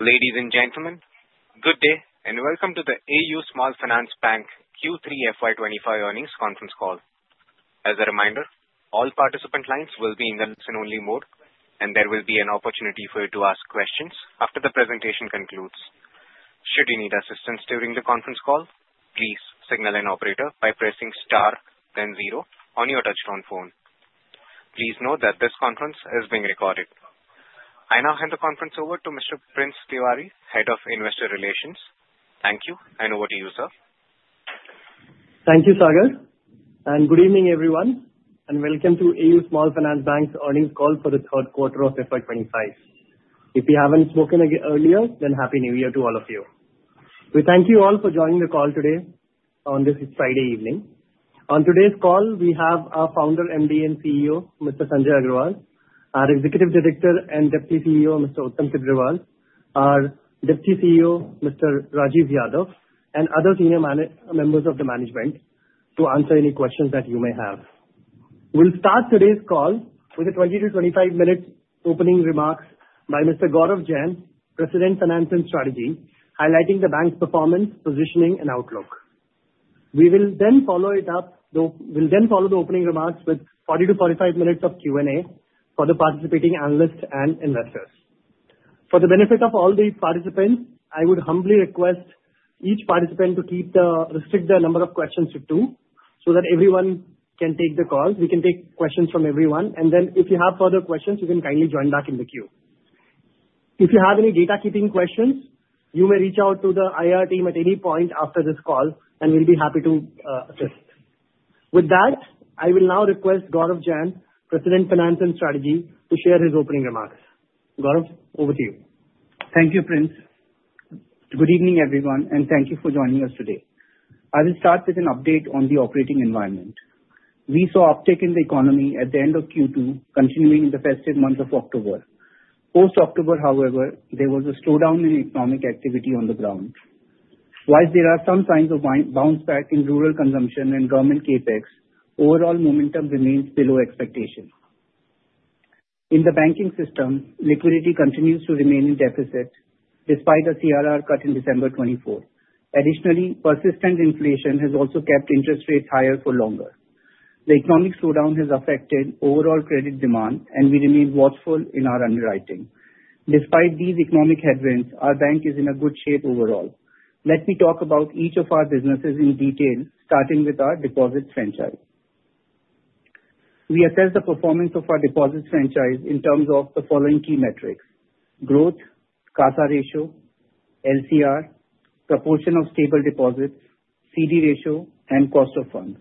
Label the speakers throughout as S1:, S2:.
S1: Ladies and gentlemen, good day and welcome to the AU Small Finance Bank Q3 FY 2025 Earnings Conference Call. As a reminder, all participant lines will be in the listen-only mode, and there will be an opportunity for you to ask questions after the presentation concludes. Should you need assistance during the conference call, please signal an operator by pressing star, then zero, on your touch-tone phone. Please note that this conference is being recorded. I now hand the conference over to Mr. Prince Tiwari, Head of Investor Relations. Thank you, and over to you, sir.
S2: Thank you, Sagar, and good evening, everyone, and welcome to AU Small Finance Bank's earnings call for the third quarter of FY 2025. If we haven't spoken earlier, then happy New Year to all of you. We thank you all for joining the call today on this Friday evening. On today's call, we have our founder, MD, and CEO, Mr. Sanjay Agarwal, our Executive Director and Deputy CEO, Mr. Uttam Tibrewal, our Deputy CEO, Mr. Rajeev Yadav, and other senior members of the management to answer any questions that you may have. We'll start today's call with a 20- to 25-minute opening remarks by Mr. Gaurav Jain, President, Finance and Strategy, highlighting the bank's performance, positioning, and outlook. We will then follow it up, though we'll then follow the opening remarks with 40- to 45 minutes of Q&A for the participating analysts and investors. For the benefit of all the participants, I would humbly request each participant to restrict the number of questions to two so that everyone can take the call. We can take questions from everyone, and then if you have further questions, you can kindly join back in the queue. If you have any data keeping questions, you may reach out to the IR team at any point after this call, and we'll be happy to assist. With that, I will now request Gaurav Jain, President, Finance and Strategy, to share his opening remarks. Gaurav, over to you.
S3: Thank you, Prince. Good evening, everyone, and thank you for joining us today. I will start with an update on the operating environment. We saw uptick in the economy at the end of Q2, continuing in the festive month of October. Post-October, however, there was a slowdown in economic activity on the ground. While there are some signs of bounce back in rural consumption and government CapEx, overall momentum remains below expectation. In the banking system, liquidity continues to remain in deficit despite the CRR cut in December 2024. Additionally, persistent inflation has also kept interest rates higher for longer. The economic slowdown has affected overall credit demand, and we remain watchful in our underwriting. Despite these economic headwinds, our bank is in good shape overall. Let me talk about each of our businesses in detail, starting with our deposits franchise. We assess the performance of our deposits franchise in terms of the following key metrics: growth, CASA ratio, LCR, proportion of stable deposits, CD ratio, and cost of funds.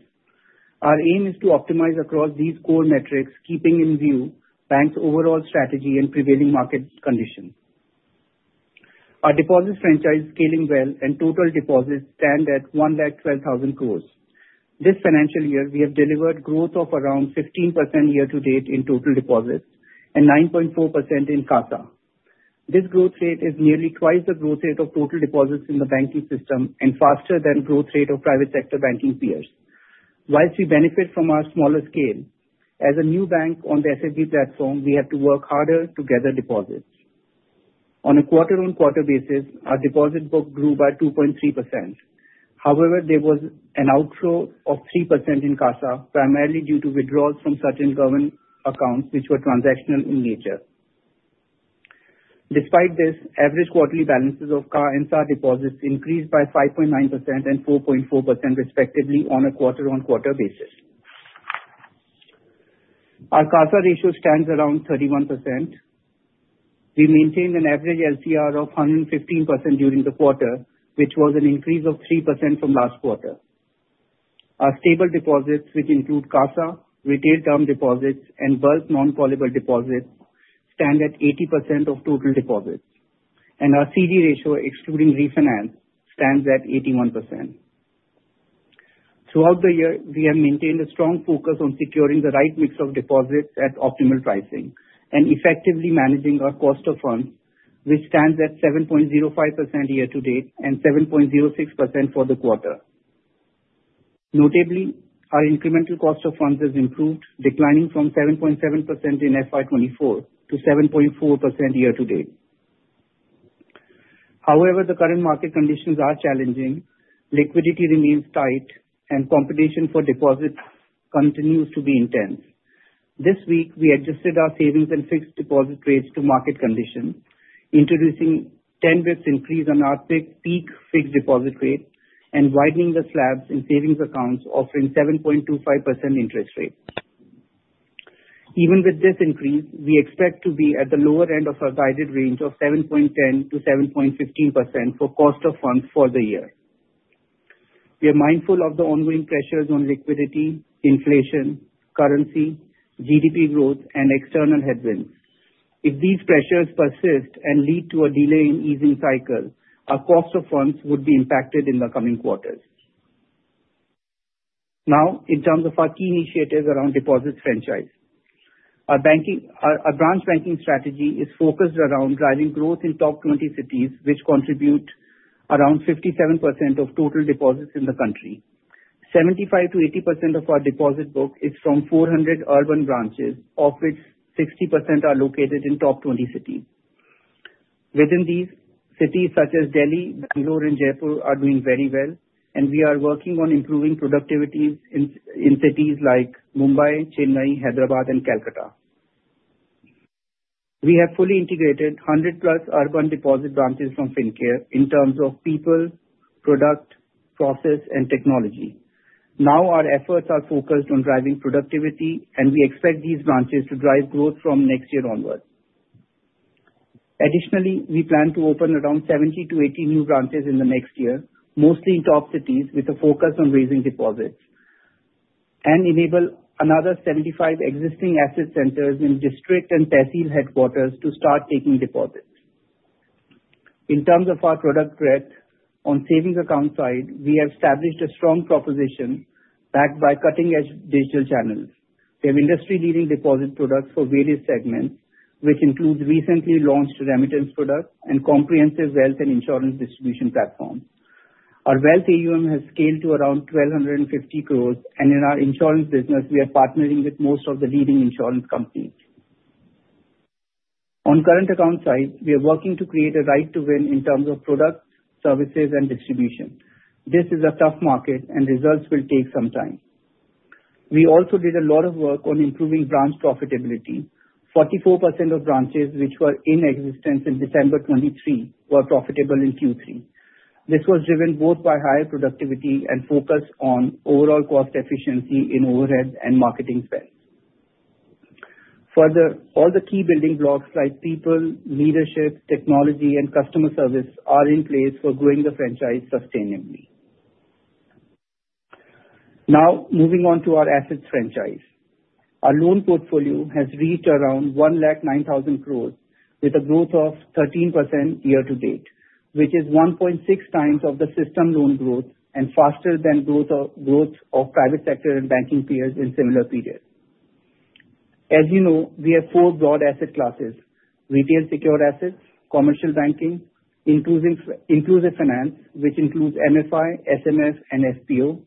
S3: Our aim is to optimize across these core metrics, keeping in view banks' overall strategy and prevailing market conditions. Our deposits franchise is scaling well, and total deposits stand at 112,000 crores. This financial year, we have delivered growth of around 15% year-to-date in total deposits and 9.4% in CASA. This growth rate is nearly twice the growth rate of total deposits in the banking system and faster than the growth rate of private sector banking peers. While we benefit from our smaller scale, as a new bank on the SFB platform, we have to work harder to gather deposits. On a quarter-on-quarter basis, our deposit book grew by 2.3%. However, there was an outflow of 3% in CASA, primarily due to withdrawals from certain government accounts, which were transactional in nature. Despite this, average quarterly balances of CA and SA deposits increased by 5.9% and 4.4%, respectively, on a quarter-on-quarter basis. Our CASA ratio stands around 31%. We maintained an average LCR of 115% during the quarter, which was an increase of 3% from last quarter. Our stable deposits, which include CASA, retail term deposits, and retail non-callable deposits, stand at 80% of total deposits and our CD ratio, excluding refinance, stands at 81%. Throughout the year, we have maintained a strong focus on securing the right mix of deposits at optimal pricing and effectively managing our cost of funds, which stands at 7.05% year-to-date and 7.06% for the quarter. Notably, our incremental cost of funds has improved, declining from 7.7% in FY 2024 to 7.4% year-to-date. However, the current market conditions are challenging. Liquidity remains tight, and competition for deposits continues to be intense. This week, we adjusted our savings and fixed deposit rates to market conditions, introducing a 10 basis point increase on our peak fixed deposit rate and widening the slabs in savings accounts, offering a 7.25% interest rate. Even with this increase, we expect to be at the lower end of our guided range of 7.10%-7.15% for cost of funds for the year. We are mindful of the ongoing pressures on liquidity, inflation, currency, GDP growth, and external headwinds. If these pressures persist and lead to a delay in easing cycles, our cost of funds would be impacted in the coming quarters. Now, in terms of our key initiatives around deposits franchise, our branch banking strategy is focused around driving growth in top 20 cities, which contribute around 57% of total deposits in the country. 75%-80% of our deposit book is from 400 urban branches, of which 60% are located in top 20 cities. Within these cities, such as Delhi, Bangalore, and Jaipur, we are doing very well, and we are working on improving productivity in cities like Mumbai, Chennai, Hyderabad, and Calcutta. We have fully integrated 100-plus urban deposit branches from Fincare in terms of people, product, process, and technology. Now, our efforts are focused on driving productivity, and we expect these branches to drive growth from next year onward. Additionally, we plan to open around 70 to 80 new branches in the next year, mostly in top cities, with a focus on raising deposits, and enable another 75 existing asset centers in district and Tehsil headquarters to start taking deposits. In terms of our product breadth, on the savings account side, we have established a strong proposition backed by cutting-edge digital channels. We have industry-leading deposit products for various segments, which include recently launched remittance products and comprehensive wealth and insurance distribution platforms. Our wealth AUM has scaled to around 1,250 crores, and in our insurance business, we are partnering with most of the leading insurance companies. On the current account side, we are working to create a right-to-win in terms of products, services, and distribution. This is a tough market, and results will take some time. We also did a lot of work on improving branch profitability. 44% of branches which were in existence in December 2023 were profitable in Q3. This was driven both by higher productivity and focus on overall cost efficiency in overhead and marketing spend. Further, all the key building blocks like people, leadership, technology, and customer service are in place for growing the franchise sustainably. Now, moving on to our assets franchise. Our loan portfolio has reached around 109,000 crores, with a growth of 13% year-to-date, which is 1.6x the system loan growth and faster than the growth of private sector and banking peers in similar periods. As you know, we have four broad asset classes: retail secured assets, commercial banking, inclusive finance, which includes MFI, SMF, and FPO,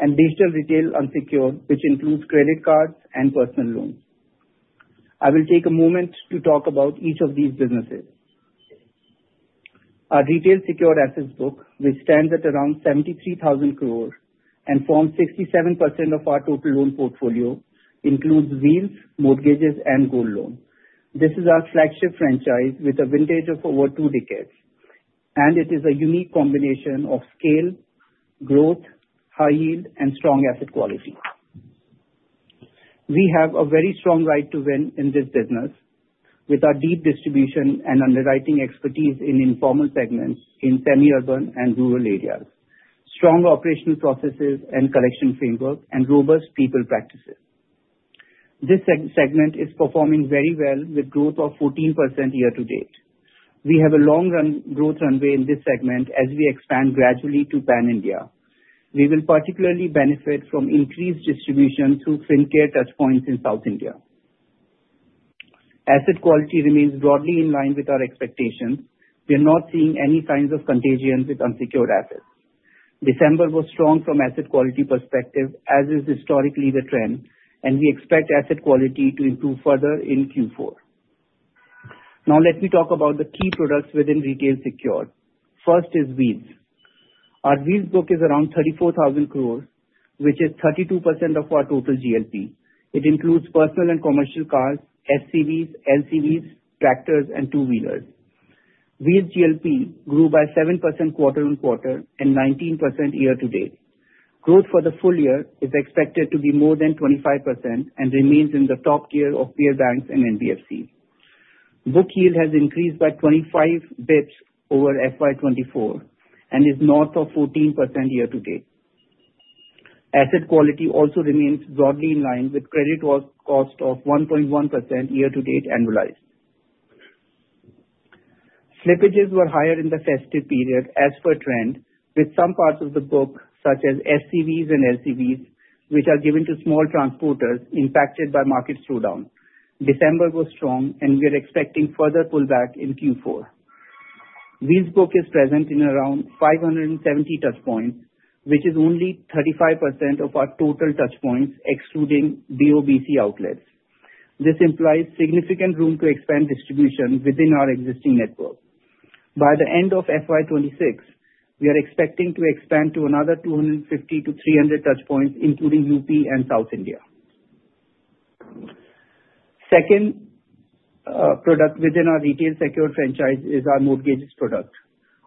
S3: and digital retail unsecured, which includes credit cards and personal loans. I will take a moment to talk about each of these businesses. Our retail secured assets book, which stands at around 73,000 crores and forms 67% of our total loan portfolio, includes Wheels, mortgages, and gold loans. This is our flagship franchise with a vintage of over two decades, and it is a unique combination of scale, growth, high yield, and strong asset quality. We have a very strong right-to-win in this business, with our deep distribution and underwriting expertise in informal segments in semi-urban and rural areas, strong operational processes and collection framework, and robust people practices. This segment is performing very well with growth of 14% year-to-date. We have a long-run growth runway in this segment as we expand gradually to Pan India. We will particularly benefit from increased distribution through Fincare touchpoints in South India. Asset quality remains broadly in line with our expectations. We are not seeing any signs of contagion with unsecured assets. December was strong from an asset quality perspective, as is historically the trend, and we expect asset quality to improve further in Q4. Now, let me talk about the key products within retail secured. First is Wheels. Our Wheels book is around 34,000 crores, which is 32% of our total GLP. It includes personal and commercial cars, SUVs, LCVs, tractors, and two-wheelers. Wheels GLP grew by 7% quarter-on-quarter and 19% year-to-date. Growth for the full year is expected to be more than 25% and remains in the top tier of peer banks and NBFCs. Book yield has increased by 25 basis points over FY 2024 and is north of 14% year-to-date. Asset quality also remains broadly in line with credit cost of 1.1% year-to-date annualized. Slippages were higher in the festive period as per trend, with some parts of the book, such as SCVs and LCVs, which are given to small transporters impacted by market slowdown. December was strong, and we are expecting further pullback in Q4. Wheels book is presentin around 570 touchpoints, which is only 35% of our total touchpoints, excluding BO/BC outlets. This implies significant room to expand distribution within our existing network. By the end of FY 2026, we are expecting to expand to another 250 to 300 touchpoints, including UP and South India. Second product within our retail secured franchise is our mortgages product,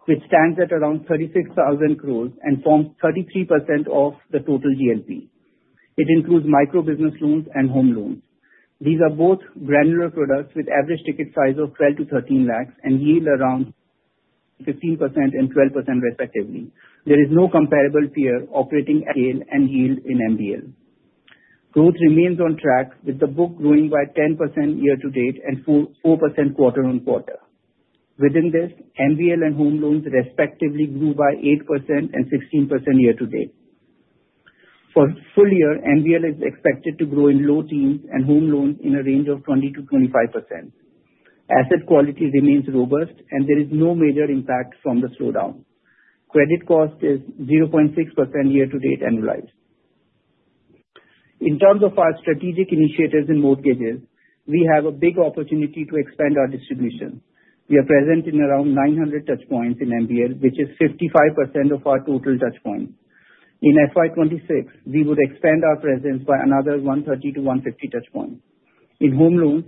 S3: which stands at around 36,000 crores and forms 33% of the total GLP. It includes micro business loans and home loans. These are both granular products with average ticket size of 12 to 13 lakhs and yield around 15% and 12%, respectively. There is no comparable peer operating. Scale and yield in MBL. Growth remains on track, with the book growing by 10% year-to-date and 4% quarter-on-quarter. Within this, MBL and home loans respectively grew by 8% and 16% year-to-date. For the full year, MBL is expected to grow in low teens and home loans in a range of 20%-25%. Asset quality remains robust, and there is no major impact from the slowdown. Credit cost is 0.6% year-to-date annualized. In terms of our strategic initiatives in mortgages, we have a big opportunity to expand our distribution. We are present in around 900 touchpoints in MBL, which is 55% of our total touchpoints. In FY 2026, we would expand our presence by another 130 to 150 touchpoints. In home loans,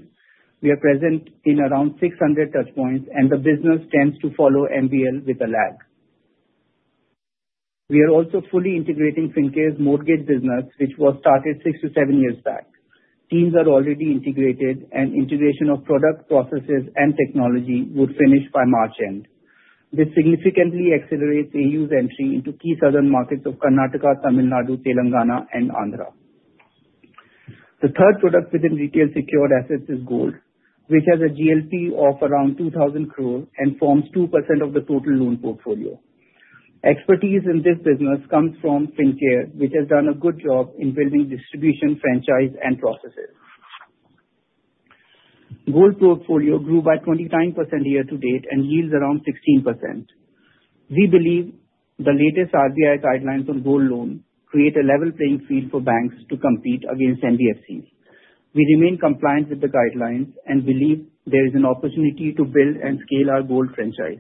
S3: we are present in around 600 touchpoints, and the business tends to follow MBL with a lag. We are also fully integrating Fincare's mortgage business, which was started six to seven years back. Teams are already integrated, and integration of product processes and technology would finish by March end. This significantly accelerates AU's entry into key southern markets of Karnataka, Tamil Nadu, Telangana, and Andhra. The third product within retail secured assets is gold, which has a GLP of around 2,000 crores and forms 2% of the total loan portfolio. Expertise in this business comes from Fincare, which has done a good job in building distribution franchise and processes. Gold portfolio grew by 29% year-to-date and yields around 16%. We believe the latest RBI guidelines on gold loans create a level playing field for banks to compete against NBFCs. We remain compliant with the guidelines and believe there is an opportunity to build and scale our gold franchise.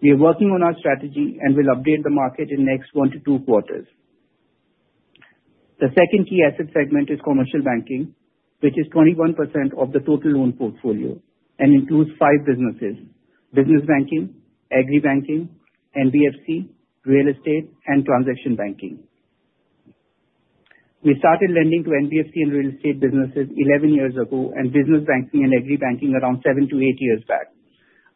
S3: We are working on our strategy and will update the market in the next one to two quarters. The second key asset segment is Commercial Banking, which is 21% of the total loan portfolio and includes five businesses: business banking, agri banking, NBFC, real estate, and transaction banking. We started lending to NBFC and real estate businesses 11 years ago and business banking and agri banking around seven to eight years back.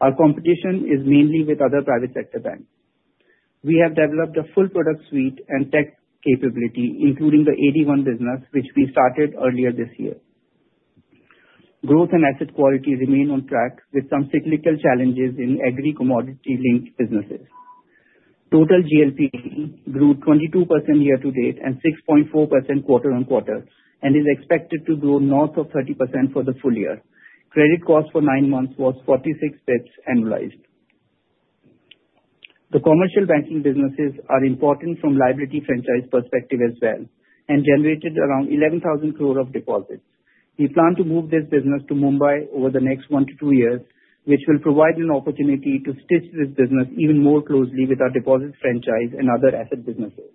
S3: Our competition is mainly with other private sector banks. We have developed a full product suite and tech capability, including the AD-I business, which we started earlier this year. Growth and asset quality remain on track with some cyclical challenges in agri commodity-linked businesses. Total GLP grew 22% year-to-date and 6.4% quarter-on-quarter and is expected to grow north of 30% for the full year. Credit cost for nine months was 46 basis points annualized. The commercial banking businesses are important from a liability franchise perspective as well and generated around 11,000 crores of deposits. We plan to move this business to Mumbai over the next one to two years, which will provide an opportunity to stitch this business even more closely with our deposit franchise and other asset businesses.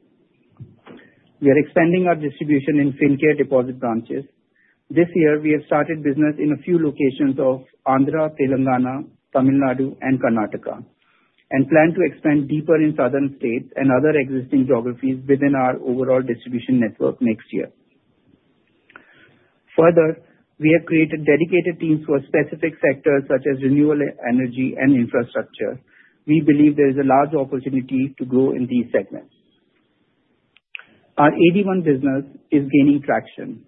S3: We are expanding our distribution in Fincare deposit branches. This year, we have started business in a few locations of Andhra, Telangana, Tamil Nadu, and Karnataka, and plan to expand deeper in southern states and other existing geographies within our overall distribution network next year. Further, we have created dedicated teams for specific sectors such as renewable energy and infrastructure. We believe there is a large opportunity to grow in these segments. Our AD-I business is gaining traction.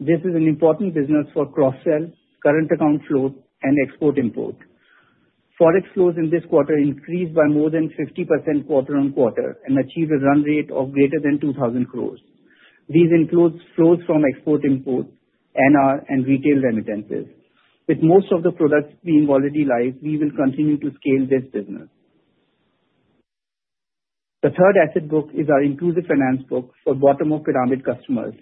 S3: This is an important business for cross-sell, current account float, and export-import. Forex flows in this quarter increased by more than 50% quarter-on-quarter and achieved a run rate of greater than 2,000 crores. These include flows from export-import, NR, and retail remittances. With most of the products being already live, we will continue to scale this business. The third asset book is our Inclusive Finance Book for bottom-of-pyramid customers,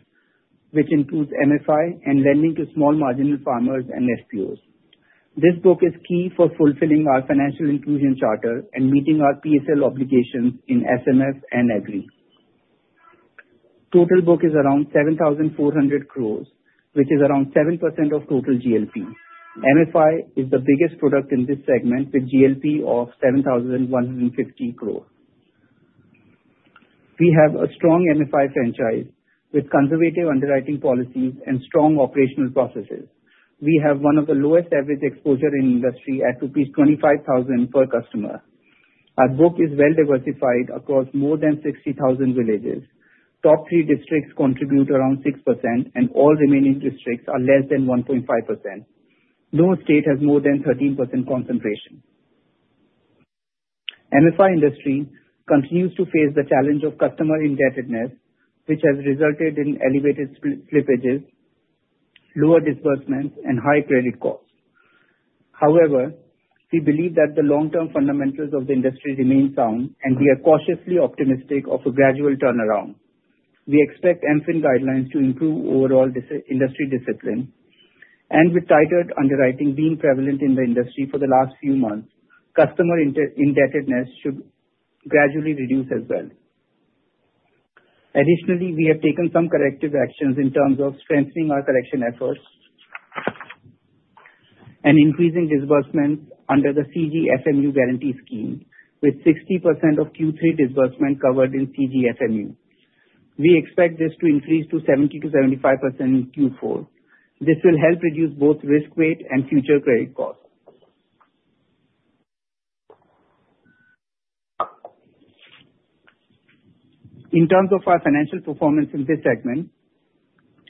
S3: which includes MFI and lending to small marginal farmers and FPOs. This book is key for fulfilling our financial inclusion charter and meeting our PSL obligations in SMF and agri. Total book is around 7,400 crores, which is around 7% of total GLP. MFI is the biggest product in this segment with a GLP of 7,150 crores. We have a strong MFI franchise with conservative underwriting policies and strong operational processes. We have one of the lowest average exposure in industry at 25,000 per customer. Our book is well-diversified across more than 60,000 villages. Top three districts contribute around 6%, and all remaining districts are less than 1.5%. No state has more than 13% concentration. MFI industry continues to face the challenge of customer indebtedness, which has resulted in elevated slippages, lower disbursements, and high credit costs. However, we believe that the long-term fundamentals of the industry remain sound, and we are cautiously optimistic of a gradual turnaround. We expect MFIN guidelines to improve overall industry discipline, and with tighter underwriting being prevalent in the industry for the last few months, customer indebtedness should gradually reduce as well. Additionally, we have taken some corrective actions in terms of strengthening our collection efforts and increasing disbursements under the CGFMU guarantee scheme, with 60% of Q3 disbursement covered in CGFMU. We expect this to increase to 70%-75% in Q4. This will help reduce both risk weight and future credit costs. In terms of our financial performance in this segment,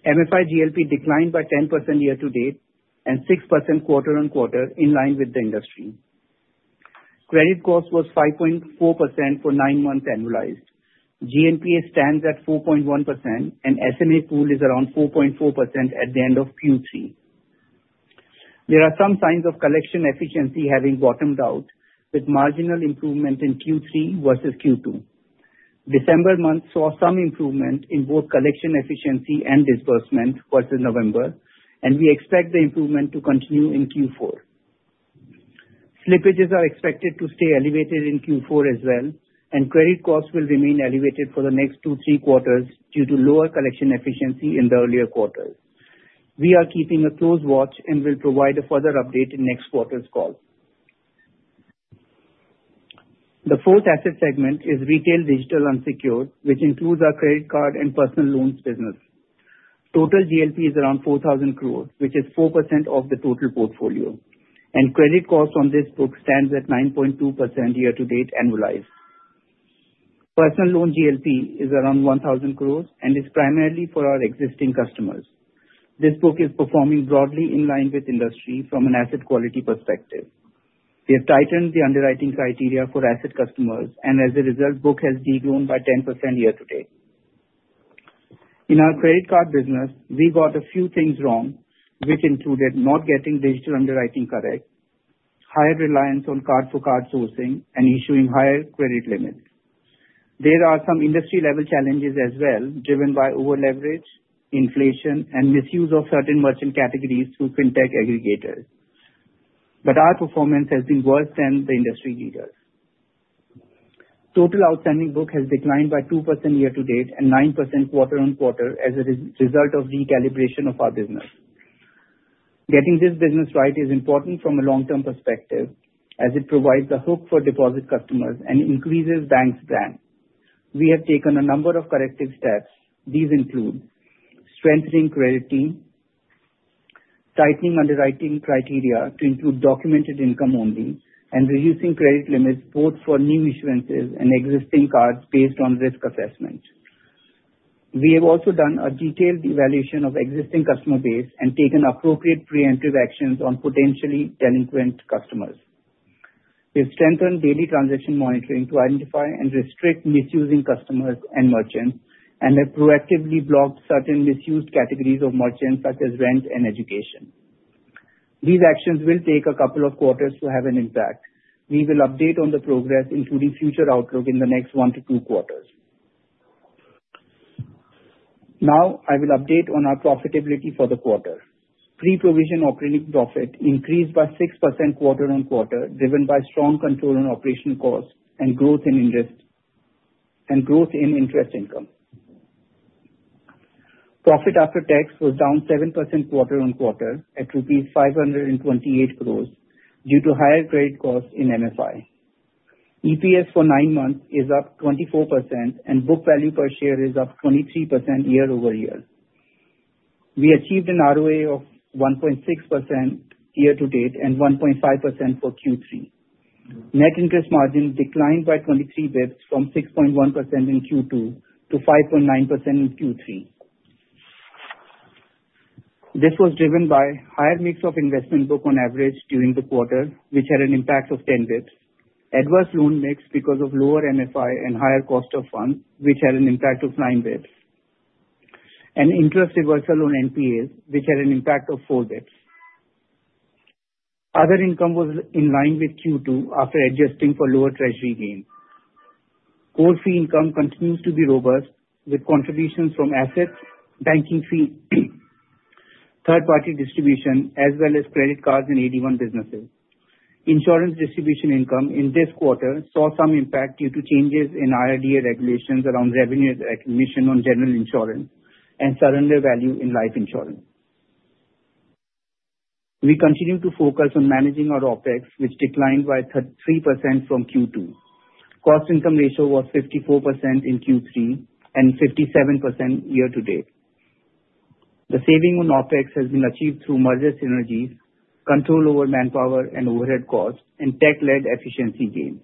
S3: MFI GLP declined by 10% year-to-date and 6% quarter-on-quarter in line with the industry. Credit cost was 5.4% for nine months annualized. GNPA stands at 4.1%, and SMA pool is around 4.4% at the end of Q3. There are some signs of collection efficiency having bottomed out with marginal improvement in Q3 versus Q2. December month saw some improvement in both collection efficiency and disbursement versus November, and we expect the improvement to continue in Q4. Slippages are expected to stay elevated in Q4 as well, and credit costs will remain elevated for the next two to three quarters due to lower collection efficiency in the earlier quarters. We are keeping a close watch and will provide a further update in next quarter's call. The fourth asset segment is Retail Digital Unsecured, which includes our credit card and personal loans business. Total GLP is around 4,000 crores, which is 4% of the total portfolio, and credit cost on this book stands at 9.2% year-to-date annualized. Personal loan GLP is around 1,000 crores and is primarily for our existing customers. This book is performing broadly in line with industry from an asset quality perspective. We have tightened the underwriting criteria for asset customers, and as a result, the book has degrown by 10% year-to-date. In our credit card business, we got a few things wrong, which included not getting digital underwriting correct, higher reliance on card-for-card sourcing, and issuing higher credit limits. There are some industry-level challenges as well, driven by over-leverage, inflation, and misuse of certain merchant categories through FinTech aggregators. But our performance has been worse than the industry leaders. Total outstanding book has declined by 2% year-to-date and 9% quarter-on-quarter as a result of recalibration of our business. Getting this business right is important from a long-term perspective as it provides a hook for deposit customers and increases banks' brand. We have taken a number of corrective steps. These include strengthening credit team, tightening underwriting criteria to include documented income only, and reducing credit limits both for new issuances and existing cards based on risk assessment. We have also done a detailed evaluation of existing customer base and taken appropriate preemptive actions on potentially delinquent customers. We have strengthened daily transaction monitoring to identify and restrict misusing customers and merchants, and have proactively blocked certain misused categories of merchants such as rent and education. These actions will take a couple of quarters to have an impact. We will update on the progress, including future outlook in the next one to two quarters. Now, I will update on our profitability for the quarter. Pre-provision operating profit increased by 6% quarter-on-quarter, driven by strong control on operational costs and growth in interest income. Profit after tax was down 7% quarter-on-quarter at rupees 528 crores due to higher credit costs in MFI. EPS for nine months is up 24%, and book value per share is up 23% year-over-year. We achieved an ROA of 1.6% year-to-date and 1.5% for Q3. Net interest margin declined by 23 basis points from 6.1% in Q2 to 5.9% in Q3. This was driven by a higher mix of investment book on average during the quarter, which had an impact of 10 basis points. Adverse loan mix because of lower MFI and higher cost of funds, which had an impact of 9 basis points. Interest reversal on NPAs, which had an impact of 4 basis points. Other income was in line with Q2 after adjusting for lower treasury gains. Core fee income continues to be robust with contributions from assets, banking fee, third-party distribution, as well as credit cards in AD-I businesses. Insurance distribution income in this quarter saw some impact due to changes in IRDAI regulations around revenue recognition on general insurance and surrender value in life insurance. We continue to focus on managing our OpEx, which declined by 3% from Q2. Cost-to-income ratio was 54% in Q3 and 57% year-to-date. The saving on OpEx has been achieved through merger synergies, control over manpower and overhead costs, and tech-led efficiency gains.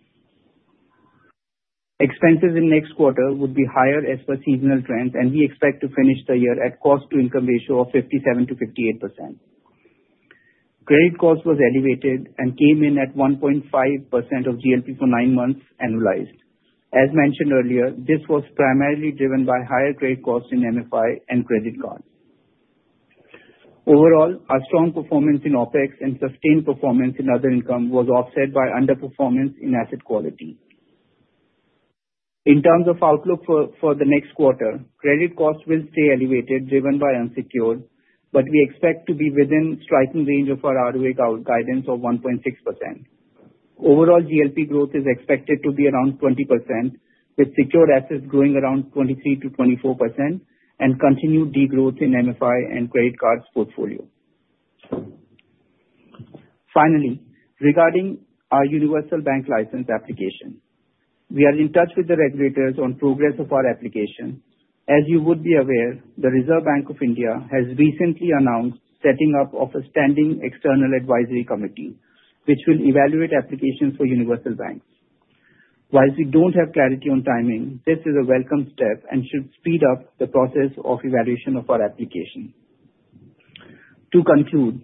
S3: Expenses in next quarter would be higher as per seasonal trends, and we expect to finish the year at a cost-to-income ratio of 57% to 58%. Credit cost was elevated and came in at 1.5% of GLP for nine months annualized. As mentioned earlier, this was primarily driven by higher credit costs in MFI and credit cards. Overall, our strong performance in OpEx and sustained performance in other income was offset by underperformance in asset quality. In terms of outlook for the next quarter, credit costs will stay elevated, driven by unsecured, but we expect to be within the striking range of our ROA guidance of 1.6%. Overall, GLP growth is expected to be around 20%, with secured assets growing around 23%-24% and continued degrowth in MFI and credit cards portfolio. Finally, regarding our universal bank license application, we are in touch with the regulators on the progress of our application. As you would be aware, the Reserve Bank of India has recently announced the setting up of a Standing External Advisory Committee, which will evaluate applications for universal banks. While we don't have clarity on timing, this is a welcome step and should speed up the process of evaluation of our application. To conclude,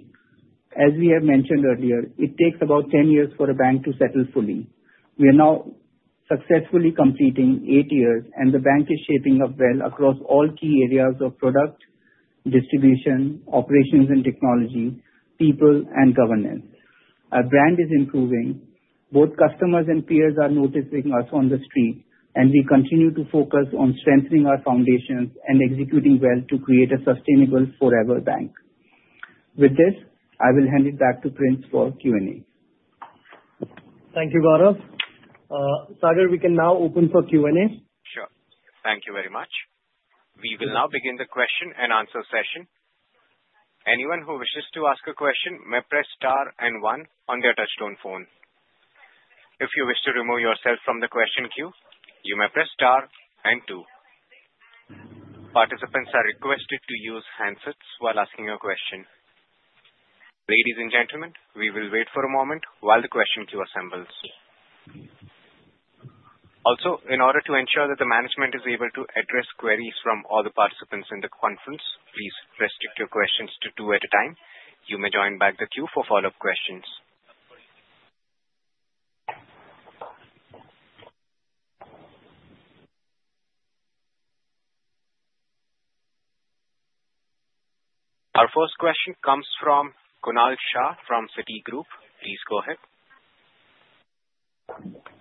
S3: as we have mentioned earlier, it takes about 10 years for a bank to settle fully. We are now successfully completing eight years, and the bank is shaping up well across all key areas of product, distribution, operations and technology, people, and governance. Our brand is improving. Both customers and peers are noticing us on the street, and we continue to focus on strengthening our foundations and executing well to create a sustainable forever bank. With this, I will hand it back to Prince for Q&A.
S2: Thank you, Gaurav. Sagar, we can now open for Q&A.
S1: Sure. Thank you very much. We will now begin the question and answer session. Anyone who wishes to ask a question may press star and one on their touch-tone phone. If you wish to remove yourself from the question queue, you may press star and two. Participants are requested to use handsets while asking a question. Ladies and gentlemen, we will wait for a moment while the question queue assembles. Also, in order to ensure that the management is able to address queries from all the participants in the conference, please restrict your questions to two at a time. You may join back the queue for follow-up questions. Our first question comes from Kunal Shah from Citigroup. Please go ahead.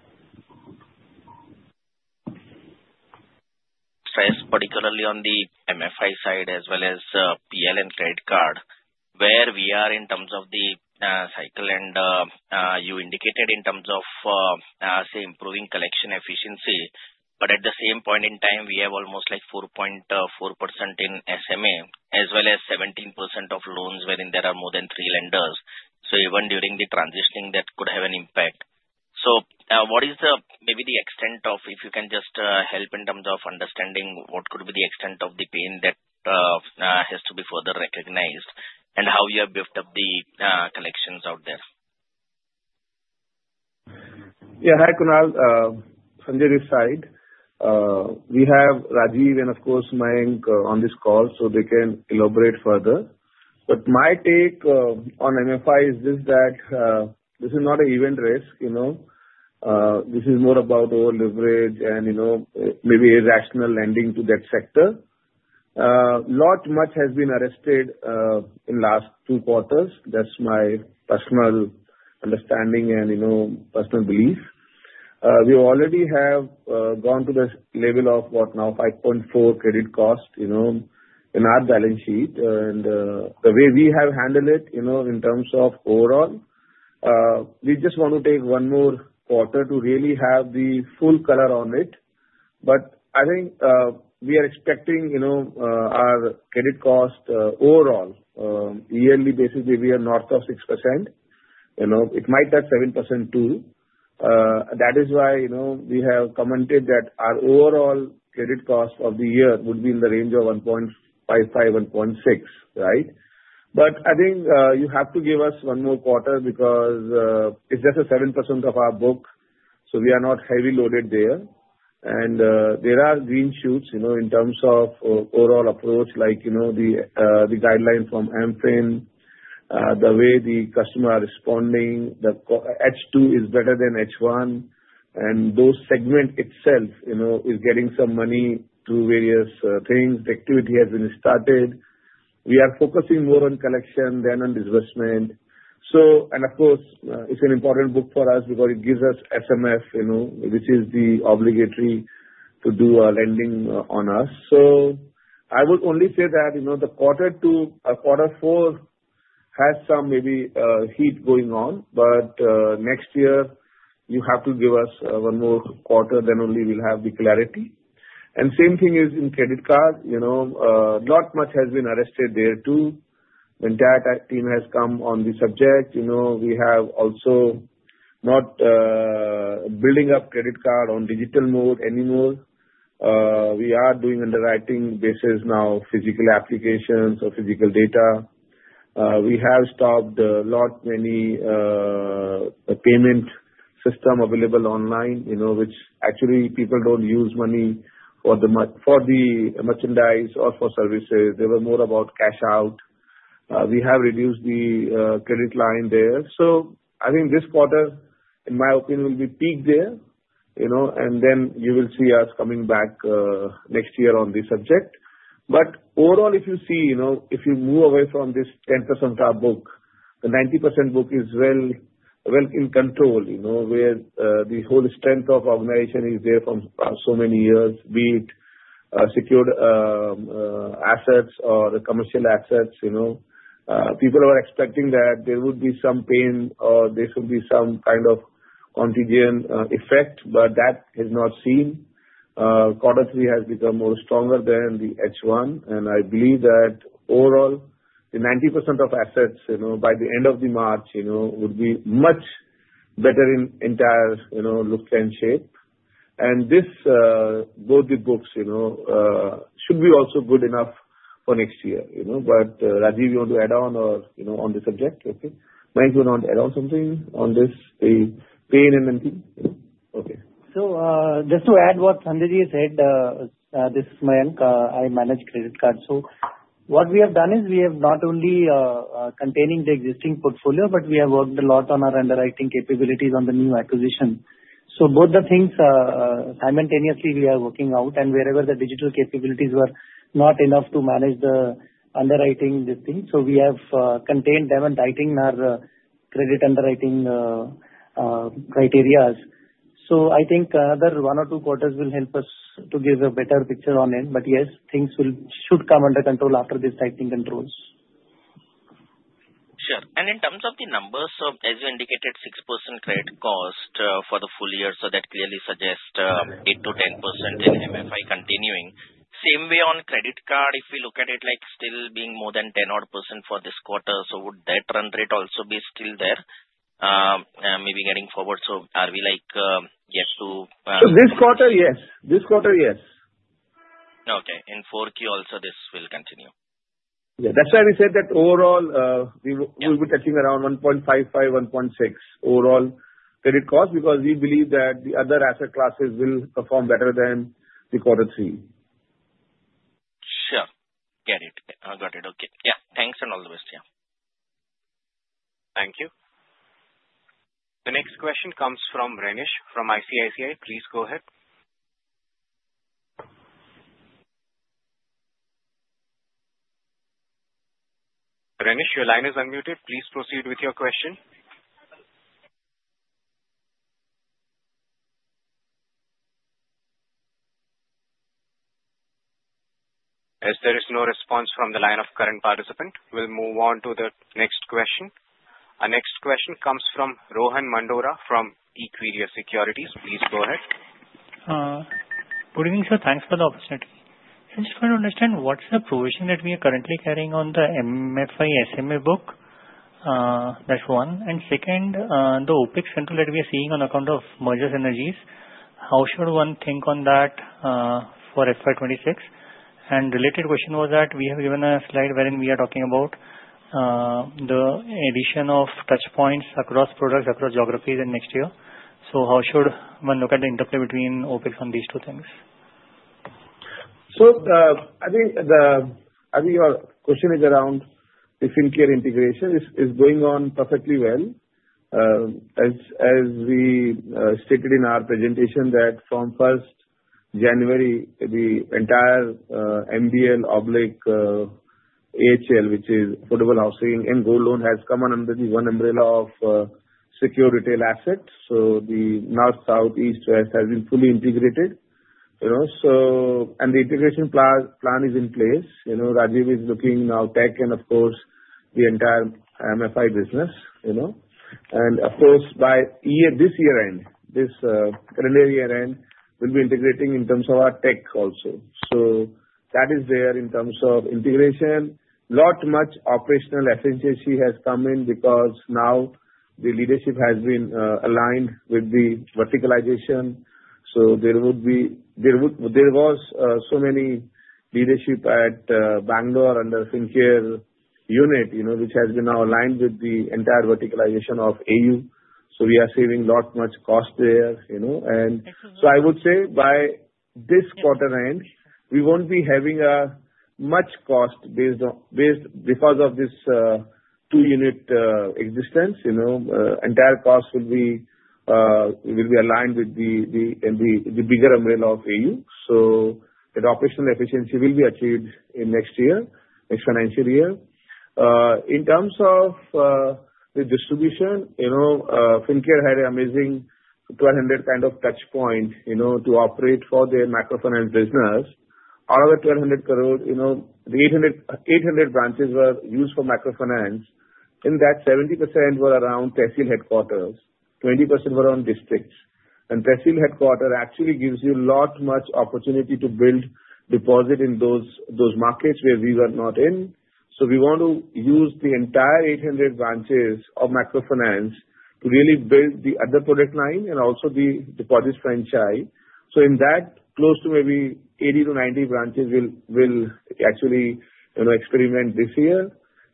S4: Sir, particularly on the MFI side as well as PL and credit card, where we are in terms of the cycle and you indicated in terms of, say, improving collection efficiency, but at the same point in time, we have almost like 4.4% in SMA as well as 17% of loans wherein there are more than three lenders. So even during the transitioning, that could have an impact. So what is maybe the extent of, if you can just help in terms of understanding what could be the extent of the pain that has to be further recognized and how you have built up the collections out there?
S5: Yeah. Hi, Kunal. From the MFI side, we have Rajeev and, of course, Mayank on this call so they can elaborate further. But my take on MFI is this: this is not an event risk. This is more about over-leverage and maybe irrational lending to that sector. A lot much has been arrested in the last two quarters. That's my personal understanding and personal belief. We already have gone to the level of what now 5.4% credit cost in our balance sheet, and the way we have handled it in terms of overall, we just want to take one more quarter to really have the full color on it, but I think we are expecting our credit cost overall, yearly basically, we are north of 6%. It might touch 7% too. That is why we have commented that our overall credit cost of the year would be in the range of 1.55%-1.6%, right, but I think you have to give us one more quarter because it's just 7% of our book, so we are not heavy loaded there. There are green shoots in terms of overall approach, like the guideline from MFIN, the way the customer is responding, the H2 is better than H1, and those segments itself is getting some money through various things. The activity has been started. We are focusing more on collection than on disbursement. Of course, it's an important book for us because it gives us SMF, which is the obligatory to do lending on us. I would only say that the quarter two or quarter four has some maybe heat going on, but next year, you have to give us one more quarter. Then only we'll have the clarity. Same thing is in credit card. Not much has been arrested there too. The entire team has come on the subject. We have also not building up credit card on digital mode anymore. We are doing underwriting basis now, physical applications or physical data. We have stopped a lot many payment systems available online, which actually people don't use money for the merchandise or for services. They were more about cash out. We have reduced the credit line there. So I think this quarter, in my opinion, will be peak there. And then you will see us coming back next year on this subject. But overall, if you see, if you move away from this 10% of our book, the 90% book is well in control where the whole strength of our organization is there from so many years, be it secured assets or commercial assets. People are expecting that there would be some pain or there could be some kind of contagion effect, but that has not seen. Quarter three has become more stronger than the H1. I believe that overall, the 90% of assets by the end of March would be much better in entire look and shape. Both the books should be also good enough for next year. Rajeev, you want to add on or on the subject? Mayank, you want to add on something on this point and anything?
S6: Okay. Just to add what Sanjay said, this is Mayank. I manage credit cards. What we have done is we have not only contained the existing portfolio, but we have worked a lot on our underwriting capabilities on the new acquisition. Both the things simultaneously we are working out. Wherever the digital capabilities were not enough to manage the underwriting this thing, we have contained them and tightened our credit underwriting criteria. So I think another one or two quarters will help us to give a better picture on it. But yes, things should come under control after these tightening controls.
S4: Sure. And in terms of the numbers, so as you indicated, 6% credit cost for the full year. So that clearly suggests 8%-10% in MFI continuing. Same way on credit card, if we look at it like still being more than 10% or percent for this quarter, so would that run rate also be still there maybe getting forward? So are we yet to?
S5: So this quarter, yes. This quarter, yes.
S4: Okay. In Q4 also, this will continue?
S5: Yeah. That's why we said that overall, we will be touching around 1.55-1.6% overall credit cost because we believe that the other asset classes will perform better than the quarter three.
S4: Sure. Got it. I got it. Okay. Yeah. Thanks and all the best.
S1: Yeah. Thank you. The next question comes from Renish from ICICI. Please go ahead. Renish, your line is unmuted. Please proceed with your question. As there is no response from the line of current participant, we'll move on to the next question. Our next question comes from Rohan Mandora from Equirus Securities. Please go ahead.
S7: Good evening, sir. Thanks for the opportunity. I just want to understand what's the provision that we are currently carrying on the MFI SMA book. That's one. And second, the OPEX central that we are seeing on account of merger synergies, how should one think on that for FY 2026? And related question was that we have given a slide wherein we are talking about the addition of touch points across products, across geographies in next year. So how should one look at the interplay between OPEX on these two things?
S5: So I think your question is around the Fincare integration. It's going on perfectly well. As we stated in our presentation that from 1st January, the entire MBL, AHL, which is Affordable Housing and Gold Loan, has come under the one umbrella of secured retail assets. So the north, south, east, west has been fully integrated. And the integration plan is in place. Rajeev is now looking after tech and, of course, the entire MFI business. And of course, by this year-end, this calendar year-end, we'll be integrating in terms of our tech also. So that is there in terms of integration. Not much operational efficiency has come in because now the leadership has been aligned with the verticalization. So there was so many leadership at Bangalore under Fincare unit, which has been now aligned with the entire verticalization of AU. So we are saving not much cost there. And so I would say by this quarter end, we won't be having much cost because of this two-unit existence. Entire cost will be aligned with the bigger umbrella of AU. So the operational efficiency will be achieved in next year, next financial year. In terms of the distribution, Fincare had an amazing 1,200 kind of touch point to operate for their microfinance business. Out of the 1,200, the 800 branches were used for microfinance. In that, 70% were around Tehsil headquarters, 20% were on districts. And Tehsil headquarters actually gives you a lot much opportunity to build deposit in those markets where we were not in. We want to use the entire 800 branches of microfinance to really build the other product line and also the deposit franchise. In that, close to maybe 80 to 90 branches will actually experiment this year.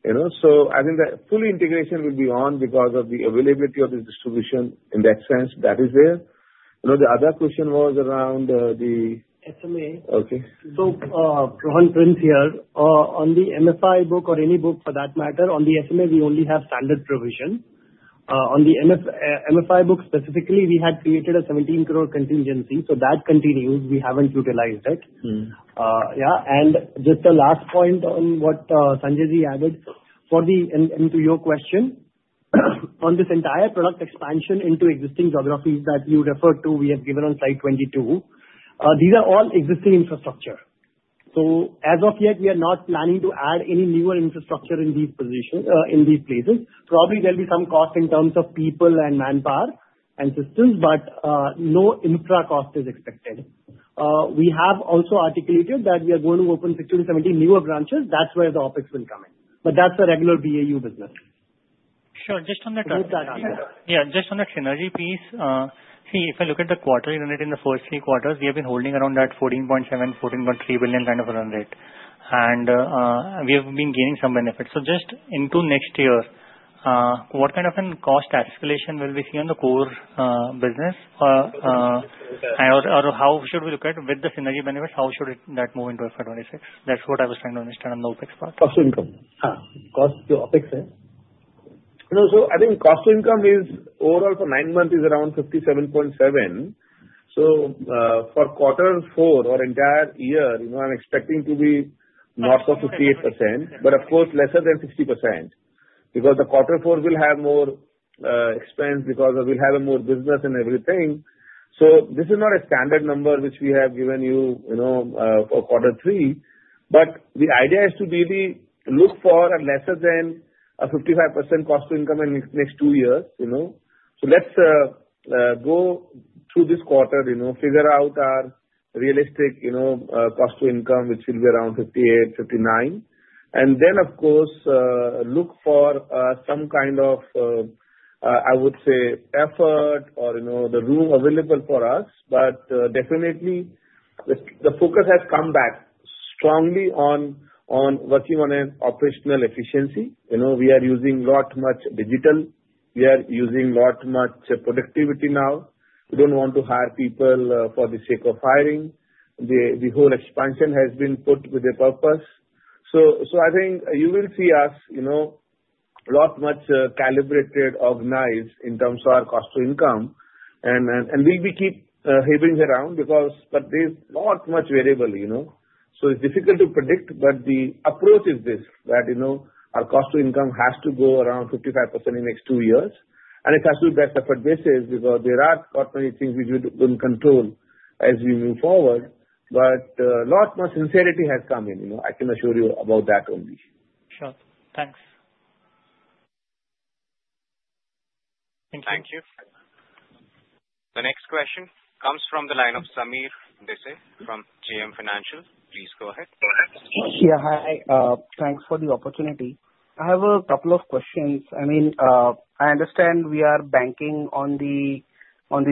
S5: I think that full integration will be on because of the availability of the distribution in that sense that is there. The other question was around the SMA.
S2: Rohan, Prince here, on the MFI book or any book for that matter, on the SMA, we only have standard provision. On the MFI book specifically, we had created a 17 crore contingency. That continues. We haven't utilized it. Yeah. Just the last point on what Sanjay added into your question, on this entire product expansion into existing geographies that you referred to, we have given on Slide 22. These are all existing infrastructure. As of yet, we are not planning to add any newer infrastructure in these places. Probably there'll be some cost in terms of people and manpower and systems, but no infra cost is expected. We have also articulated that we are going to open 60-70 newer branches. That's where the OPEX will come in. But that's a regular BAU business.
S7: Sure. Just on that. Yeah. Just on that synergy piece, see, if I look at the quarterly run rate in the first three quarters, we have been holding around that 14.7 billion, 14.3 billion kind of run rate. And we have been gaining some benefits. So just into next year, what kind of a cost escalation will we see on the core business? Or how should we look at it with the synergy benefits? How should that move into FY 2026? That's what I was trying to understand on the OpEx part.
S5: Cost to income. Cost to OpEx, right? So I think cost to income is overall for nine months is around 57.7%. So for quarter four or entire year, I'm expecting to be north of 58%, but of course, lesser than 60% because the quarter four will have more expense because we'll have more business and everything. So this is not a standard number which we have given you for quarter three. But the idea is to really look for lesser than a 55% cost to income in the next two years. So let's go through this quarter, figure out our realistic cost to income, which will be around 58%, 59%. And then, of course, look for some kind of, I would say, effort or the room available for us. But definitely, the focus has come back strongly on working on an operational efficiency. We are not using much digital. We are using productivity now. We don't want to hire people for the sake of hiring. The whole expansion has been put with a purpose. So I think you will see us more calibrated, organized in terms of our cost to income. And we'll be keeping it around because there's not much variable. So it's difficult to predict, but the approach is this: that our cost to income has to go around 55% in the next two years. And it has to be based on a best-case basis because there are quite many things we don't control as we move forward. But a lot more sincerity has come in. I can assure you about that only.
S7: Sure. Thanks. Thank you. Thank you.
S1: The next question comes from the line of Sameer Bhise from JM Financial. Please go ahead.
S8: Yeah. Hi. Thanks for the opportunity. I have a couple of questions. I mean, I understand we are banking on the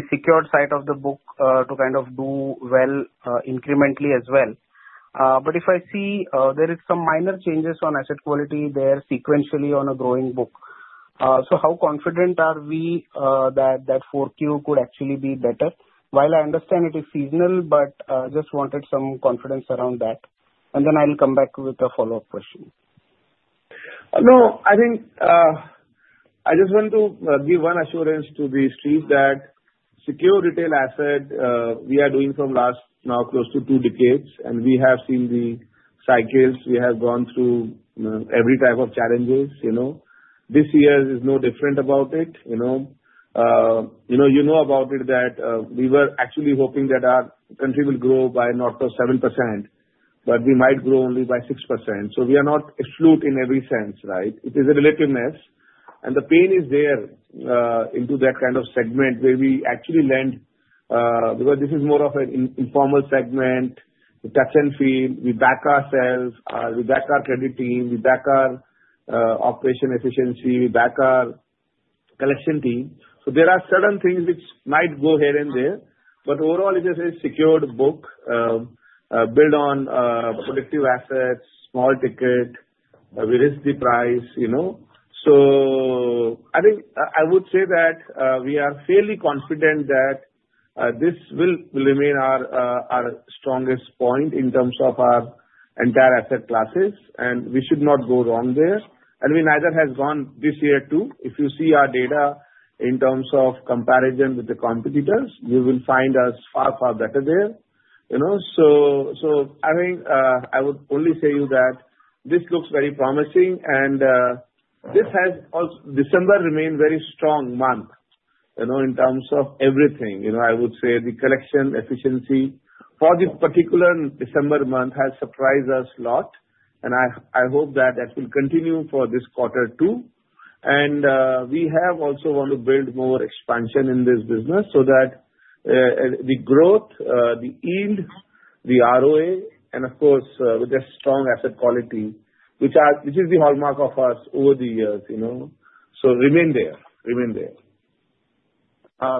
S8: secured side of the book to kind of do well incrementally as well, but if I see there are some minor changes on asset quality there sequentially on a growing book. So how confident are we that that 4Q could actually be better? While I understand it is seasonal, but I just wanted some confidence around that, and then I'll come back with a follow-up question.
S5: No, I think I just want to give one assurance to the street that secured retail asset we are doing from last now close to two decades, and we have seen the cycles. We have gone through every type of challenges. This year is no different about it. You know about it that we were actually hoping that our country will grow by not just 7%, but we might grow only by 6%. We are not excluded in every sense, right? It is a relatedness, and the pain is there in that kind of segment where we actually lend because this is more of an informal segment. We touch and feel. We back ourselves. We back our credit team. We back our operational efficiency. We back our collection team. There are certain things which might go here and there, but overall, it is a secured book built on productive assets, small ticket. We price the risk. I think I would say that we are fairly confident that this will remain our strongest point in terms of our entire asset classes, and we should not go wrong there. And we neither have gone this year too. If you see our data in terms of comparison with the competitors, you will find us far, far better there. So I think I would only say that this looks very promising. And this has also, December, remained a very strong month in terms of everything. I would say the collection efficiency for this particular December month has surprised us a lot. And I hope that that will continue for this quarter too. And we have also wanted to build more expansion in this business so that the growth, the yield, the ROA, and of course, with the strong asset quality, which is the hallmark of us over the years. So remain there. Remain there.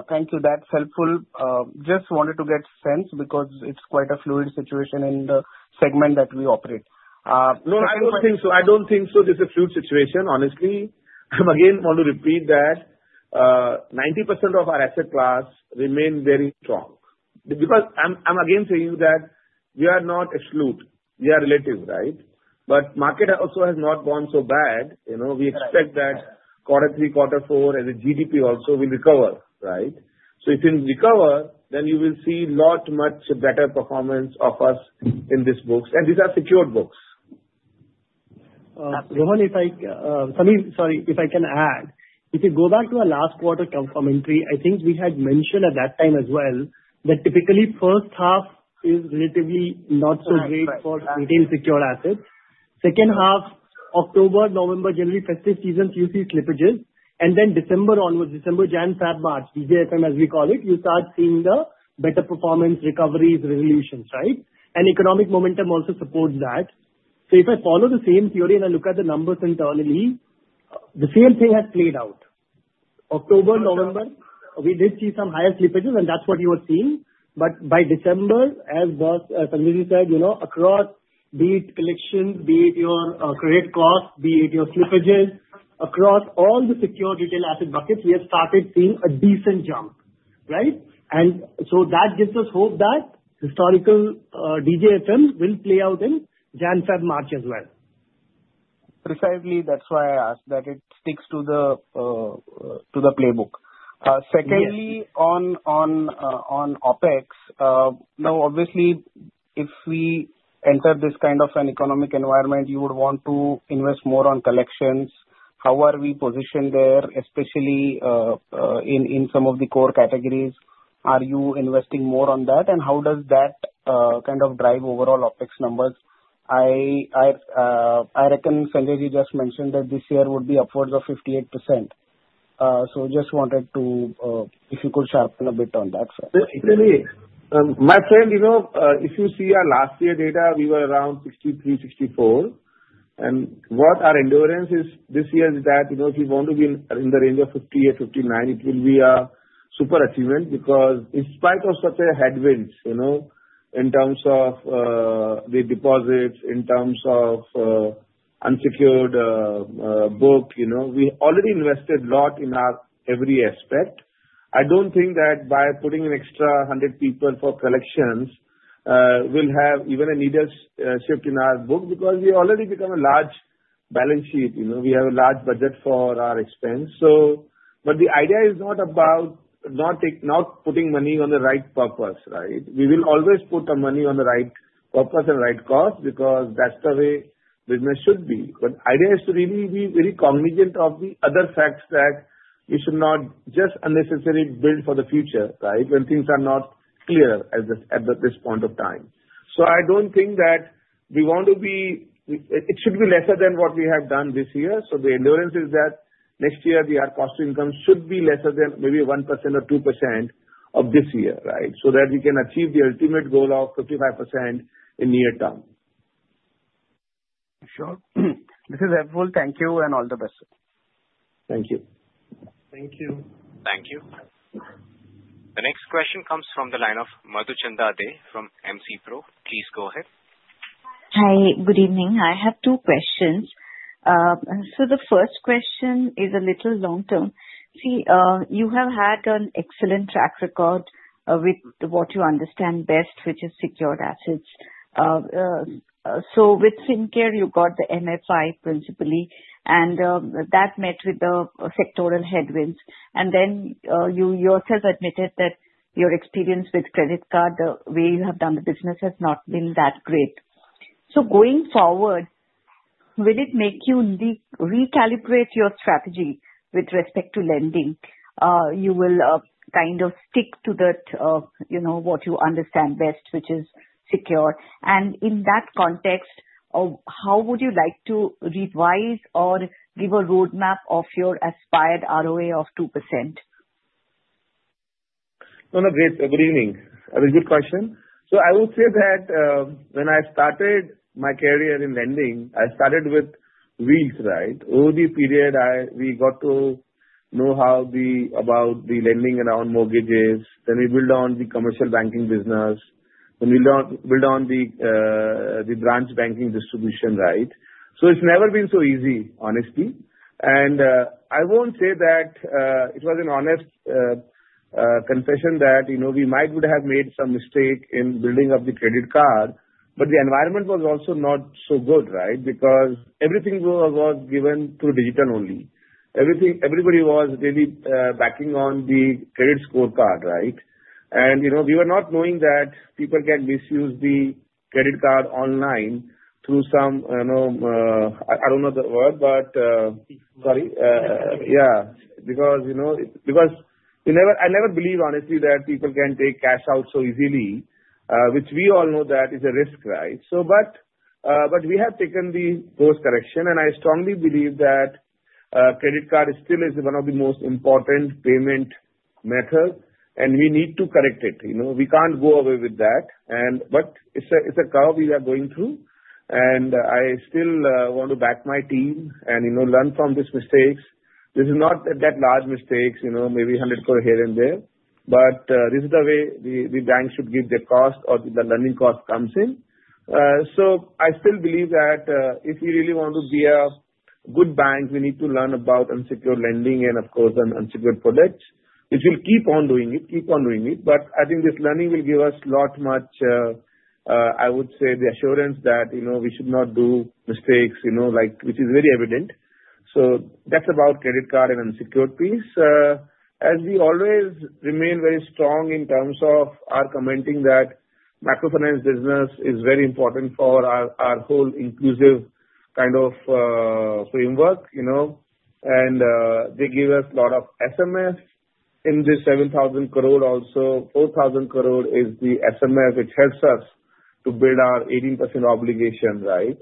S8: Thank you. That's helpful. Just wanted to get a sense because it's quite a fluid situation in the segment that we operate.
S5: No, I don't think so. I don't think so. This is a fluid situation, honestly. Again, want to repeat that 90% of our asset class remain very strong. Because I'm again saying that we are not excluded. We are relative, right? The market also has not gone so bad. We expect that quarter three, quarter four, and the GDP also will recover, right? So if it recover, then you will see not much better performance of us in these books. These are secured books.
S2: Rohan, if I, sorry, if I can add, if you go back to our last quarter commentary, I think we had mentioned at that time as well that typically first half is relatively not so great for retail secured assets. Second half, October, November, generally festive seasons, you see slippages. Then December onwards, December, January, February, March, DJFM, as we call it, you start seeing the better performance, recoveries, resolutions, right? Economic momentum also supports that. If I follow the same theory and I look at the numbers internally, the same thing has played out. October, November, we did see some higher slippages, and that's what you were seeing. By December, as Sanjayji said, across be it collection, be it your credit cost, be it your slippages, across all the secure retail asset buckets, we have started seeing a decent jump, right? That gives us hope that historical DJFM will play out in January, February, March as well.
S8: Precisely. That's why I asked that it sticks to the playbook. Secondly, on OpEx, now, obviously, if we enter this kind of an economic environment, you would want to invest more on collections. How are we positioned there, especially in some of the core categories? Are you investing more on that? And how does that kind of drive overall OpEx numbers? I reckon Sanjay just mentioned that this year would be upwards of 58%. So just wanted to, if you could sharpen a bit on that.
S5: My friend, if you see our last year data, we were around 63-64. And what our endeavour is this year is that if you want to be in the range of 58-59, it will be a super achievement because in spite of such a headwind in terms of the deposits, in terms of unsecured book, we already invested a lot in our every aspect. I don't think that by putting an extra 100 people for collections will have even a needle shift in our book because we already become a large balance sheet. We have a large budget for our expense. But the idea is not about not putting money on the right purpose, right? We will always put the money on the right purpose and right cost because that's the way business should be. But the idea is to really be very cognizant of the other factors that we should not just unnecessarily build for the future, right, when things are not clear at this point of time. So I don't think that we want to be. It should be lesser than what we have done this year. So the understanding is that next year, the cost to income should be lesser than maybe 1% or 2% of this year, right, so that we can achieve the ultimate goal of 55% in near term.
S8: Sure. This is helpful. Thank you and all the best. Thank you.
S2: Thank you.
S5: Thank you.
S1: The next question comes from the line of Madhuchanda Dey from MC Pro. Please go ahead.
S9: Hi. Good evening. I have two questions. The first question is a little long term. See, you have had an excellent track record with what you understand best, which is secured assets. With Fincare, you got the MFI principally, and that met with the sectoral headwinds. Then you yourself admitted that your experience with credit card, the way you have done the business, has not been that great. Going forward, will it make you recalibrate your strategy with respect to lending? You will kind of stick to what you understand best, which is secured. In that context, how would you like to revise or give a roadmap of your aspired ROA of 2%?
S5: No, no, great. Good evening. That's a good question. So I would say that when I started my career in lending, I started with Wheels, right? Over the period, we got to know about the lending around mortgages. Then we built on the commercial banking business. Then we built on the branch banking distribution, right? So it's never been so easy, honestly. And I won't say that it was an honest confession that we might have made some mistake in building up the credit card, but the environment was also not so good, right? Because everything was given through digital only. Everybody was really backing on the credit score card, right? And we were not knowing that people can misuse the credit card online through some, I don't know the word, but sorry. Yeah. Because I never believed, honestly, that people can take cash out so easily, which we all know that is a risk, right? But we have taken those corrections. And I strongly believe that credit card still is one of the most important payment methods, and we need to correct it. We can't go away with that. But it's a curve we are going through. And I still want to back my team and learn from these mistakes. This is not that large mistakes, maybe 100 crore here and there. But this is the way the bank should give the cost or the learning cost comes in. So I still believe that if we really want to be a good bank, we need to learn about unsecured lending and, of course, unsecured products, which we'll keep on doing it, keep on doing it. But I think this learning will give us not much, I would say, the assurance that we should not do mistakes, which is very evident. That's about credit card and unsecured piece. As we always remain very strong in terms of our commitment that microfinance business is very important for our whole inclusive kind of framework, and they give us a lot of SMFs in this 7,000 crore also. 4,000 crore is the SMF, which helps us to build our 18% obligation, right?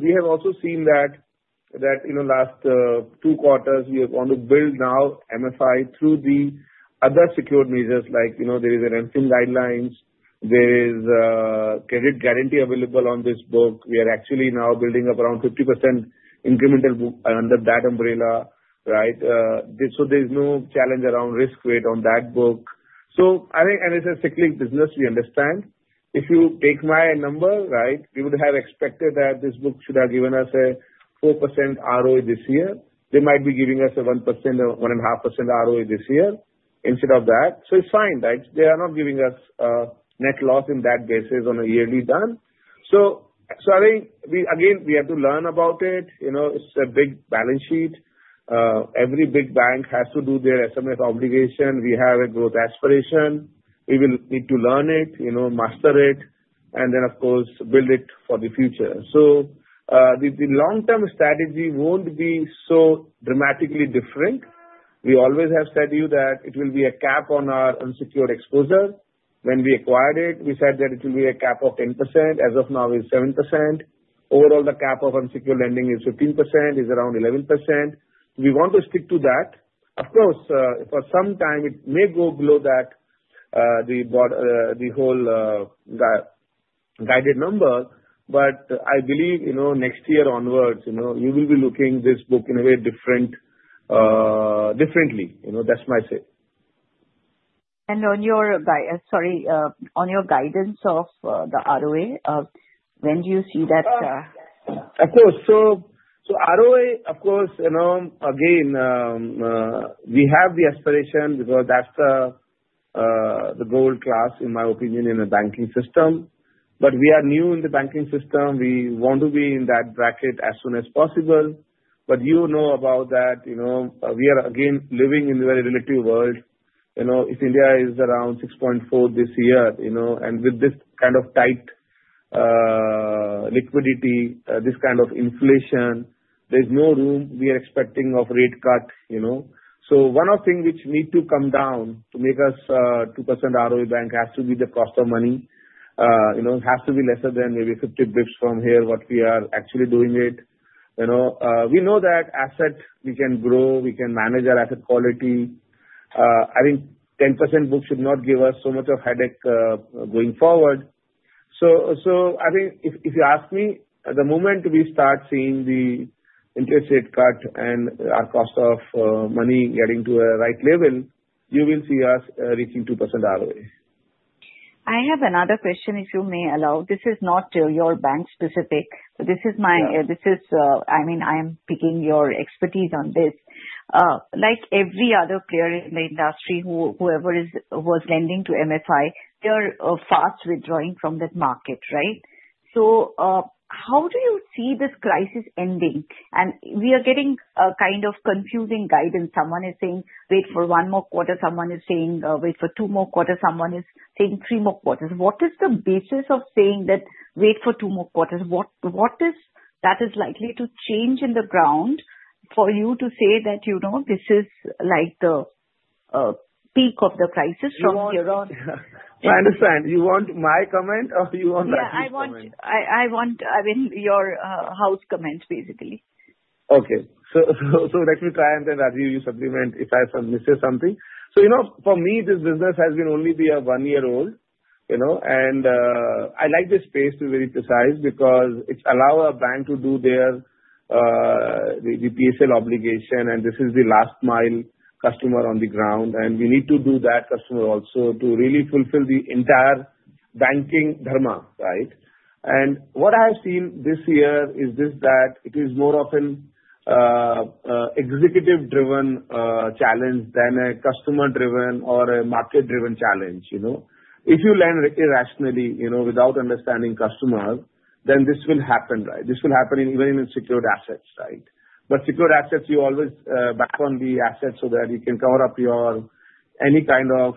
S5: We have also seen that in the last two quarters, we want to build now MFI through the other secured measures like there are MFIN guidelines. There is credit guarantee available on this book. We are actually now building up around 50% incremental under that umbrella, right? There's no challenge around risk weight on that book. I think as a cyclical business, we understand. If you take my number, right, we would have expected that this book should have given us a 4% ROA this year. They might be giving us a 1%, 1.5% ROA this year instead of that. So it's fine, right? They are not giving us net loss in that basis on a yearly done. So I think, again, we have to learn about it. It's a big balance sheet. Every big bank has to do their SMF obligation. We have a growth aspiration. We will need to learn it, master it, and then, of course, build it for the future. So the long-term strategy won't be so dramatically different. We always have said to you that it will be a cap on our unsecured exposure. When we acquired it, we said that it will be a cap of 10%. As of now, it's 7%. Overall, the cap of unsecured lending is 15%, is around 11%. We want to stick to that. Of course, for some time, it may go below that, the whole guided number. But I believe next year onwards, we will be looking at this book in a way differently. That's my say.
S9: And on your, sorry, on your guidance of the ROA, when do you see that? Of course. So ROA, of course, again, we have the aspiration because that's the gold class, in my opinion, in the banking system. But we are new in the banking system. We want to be in that bracket as soon as possible. But you know about that. We are, again, living in a very relative world. If India is around 6.4 this year, and with this kind of tight liquidity, this kind of inflation, there's no room we are expecting of rate cut. So one of the things which needs to come down to make us 2% ROA bank has to be the cost of money. It has to be less than maybe 50 basis points from here what we are actually doing. We know that asset, we can grow, we can manage our asset quality. I think 10% book should not give us so much of headache going forward. So I think if you ask me, the moment we start seeing the interest rate cut and our cost of money getting to a right level, you will see us reaching 2% ROA. I have another question, if you may allow. This is not your bank specific. This is my—I mean, I am picking your expertise on this. Like every other player in the industry, whoever was lending to MFI, they're fast withdrawing from that market, right? So how do you see this crisis ending? And we are getting a kind of confusing guidance. Someone is saying, "Wait for one more quarter." Someone is saying, "Wait for two more quarters." Someone is saying, "Three more quarters." What is the basis of saying that, "Wait for two more quarters"? What is that likely to change on the ground for you to say that this is the peak of the crisis from here on?
S5: I understand. You want my comment or you want that?
S9: Yeah. I want, I mean, your house comment, basically.
S5: Okay. So let me try and then review your supplement if I mishear something. So for me, this business has been only one year old. And I like this space to be very precise because it allows a bank to do their PSL obligation, and this is the last-mile customer on the ground. And we need to do that customer also to really fulfill the entire banking dharma, right? And what I have seen this year is this: that it is more of an executive-driven challenge than a customer-driven or a market-driven challenge. If you lend irrationally without understanding customers, then this will happen, right? This will happen even in secured assets, right? But secured assets, you always back on the asset so that you can cover up any kind of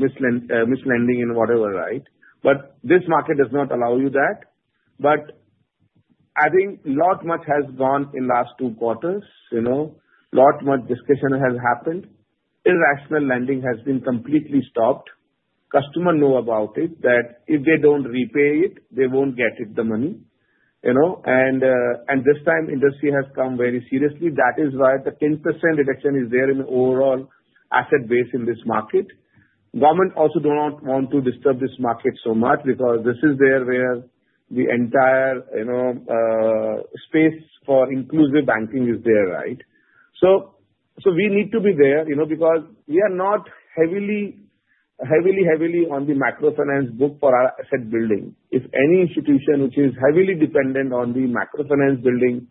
S5: mislending in whatever, right? But this market does not allow you that. But I think a lot much has gone in the last two quarters. A lot much discussion has happened. Irrational lending has been completely stopped. Customers know about it that if they don't repay it, they won't get the money. And this time, industry has come very seriously. That is why the 10% reduction is there in the overall asset base in this market. Government also does not want to disturb this market so much because this is there where the entire space for inclusive banking is there, right? We need to be there because we are not heavily, heavily, heavily on the microfinance book for our asset building. If any institution which is heavily dependent on the microfinance book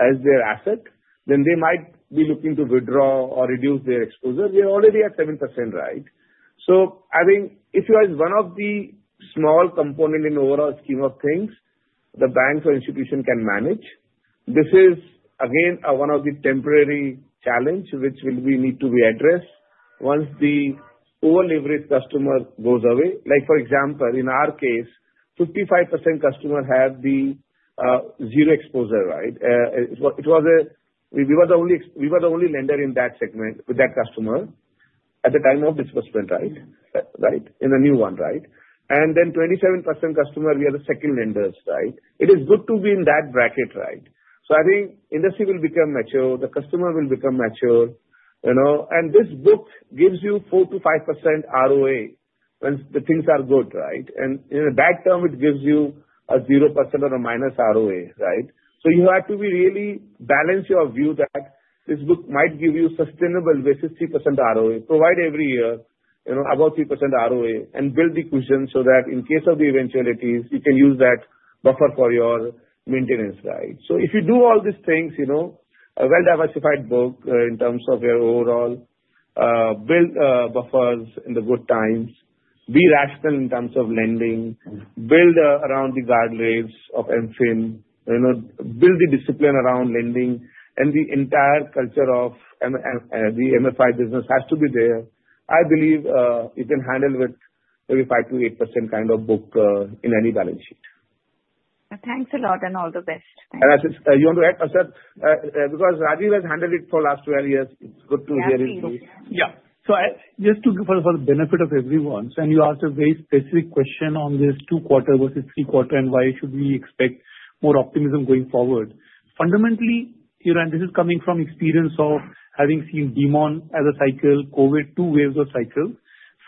S5: as their asset, then they might be looking to withdraw or reduce their exposure. We are already at 7%, right? I think if you are one of the small components in the overall scheme of things the bank or institution can manage, this is, again, one of the temporary challenges which will need to be addressed once the overall average customer goes away. For example, in our case, 55% customers have the zero exposure, right? We were the only lender in that segment with that customer at the time of disbursement, right? In the new one, right? And then 27% customers, we are the second lenders, right? It is good to be in that bracket, right? So I think industry will become mature. The customer will become mature. And this book gives you 4-5% ROA when things are good, right? And in a bad term, it gives you a 0% or a minus ROA, right? So you have to really balance your view that this book might give you sustainable basis, 3% ROA, provide every year about 3% ROA, and build the cushion so that in case of the eventualities, you can use that buffer for your maintenance, right? So if you do all these things, a well-diversified book in terms of your overall, build buffers in the good times, be rational in terms of lending, build around the guardrails of MFIN, build the discipline around lending, and the entire culture of the MFI business has to be there. I believe you can handle with maybe 5%-8% kind of book in any balance sheet.
S9: Thanks a lot and all the best.
S5: And I said, "You want to add?" Because Rajeev has handled it for the last 12 years.
S9: It's good to hear him do.
S10: Yeah. So just for the benefit of everyone, and you asked a very specific question on this two-quarter versus three-quarter and why should we expect more optimism going forward. Fundamentally, and this is coming from experience of having seen demonetization as a cycle, COVID, two waves of cycles.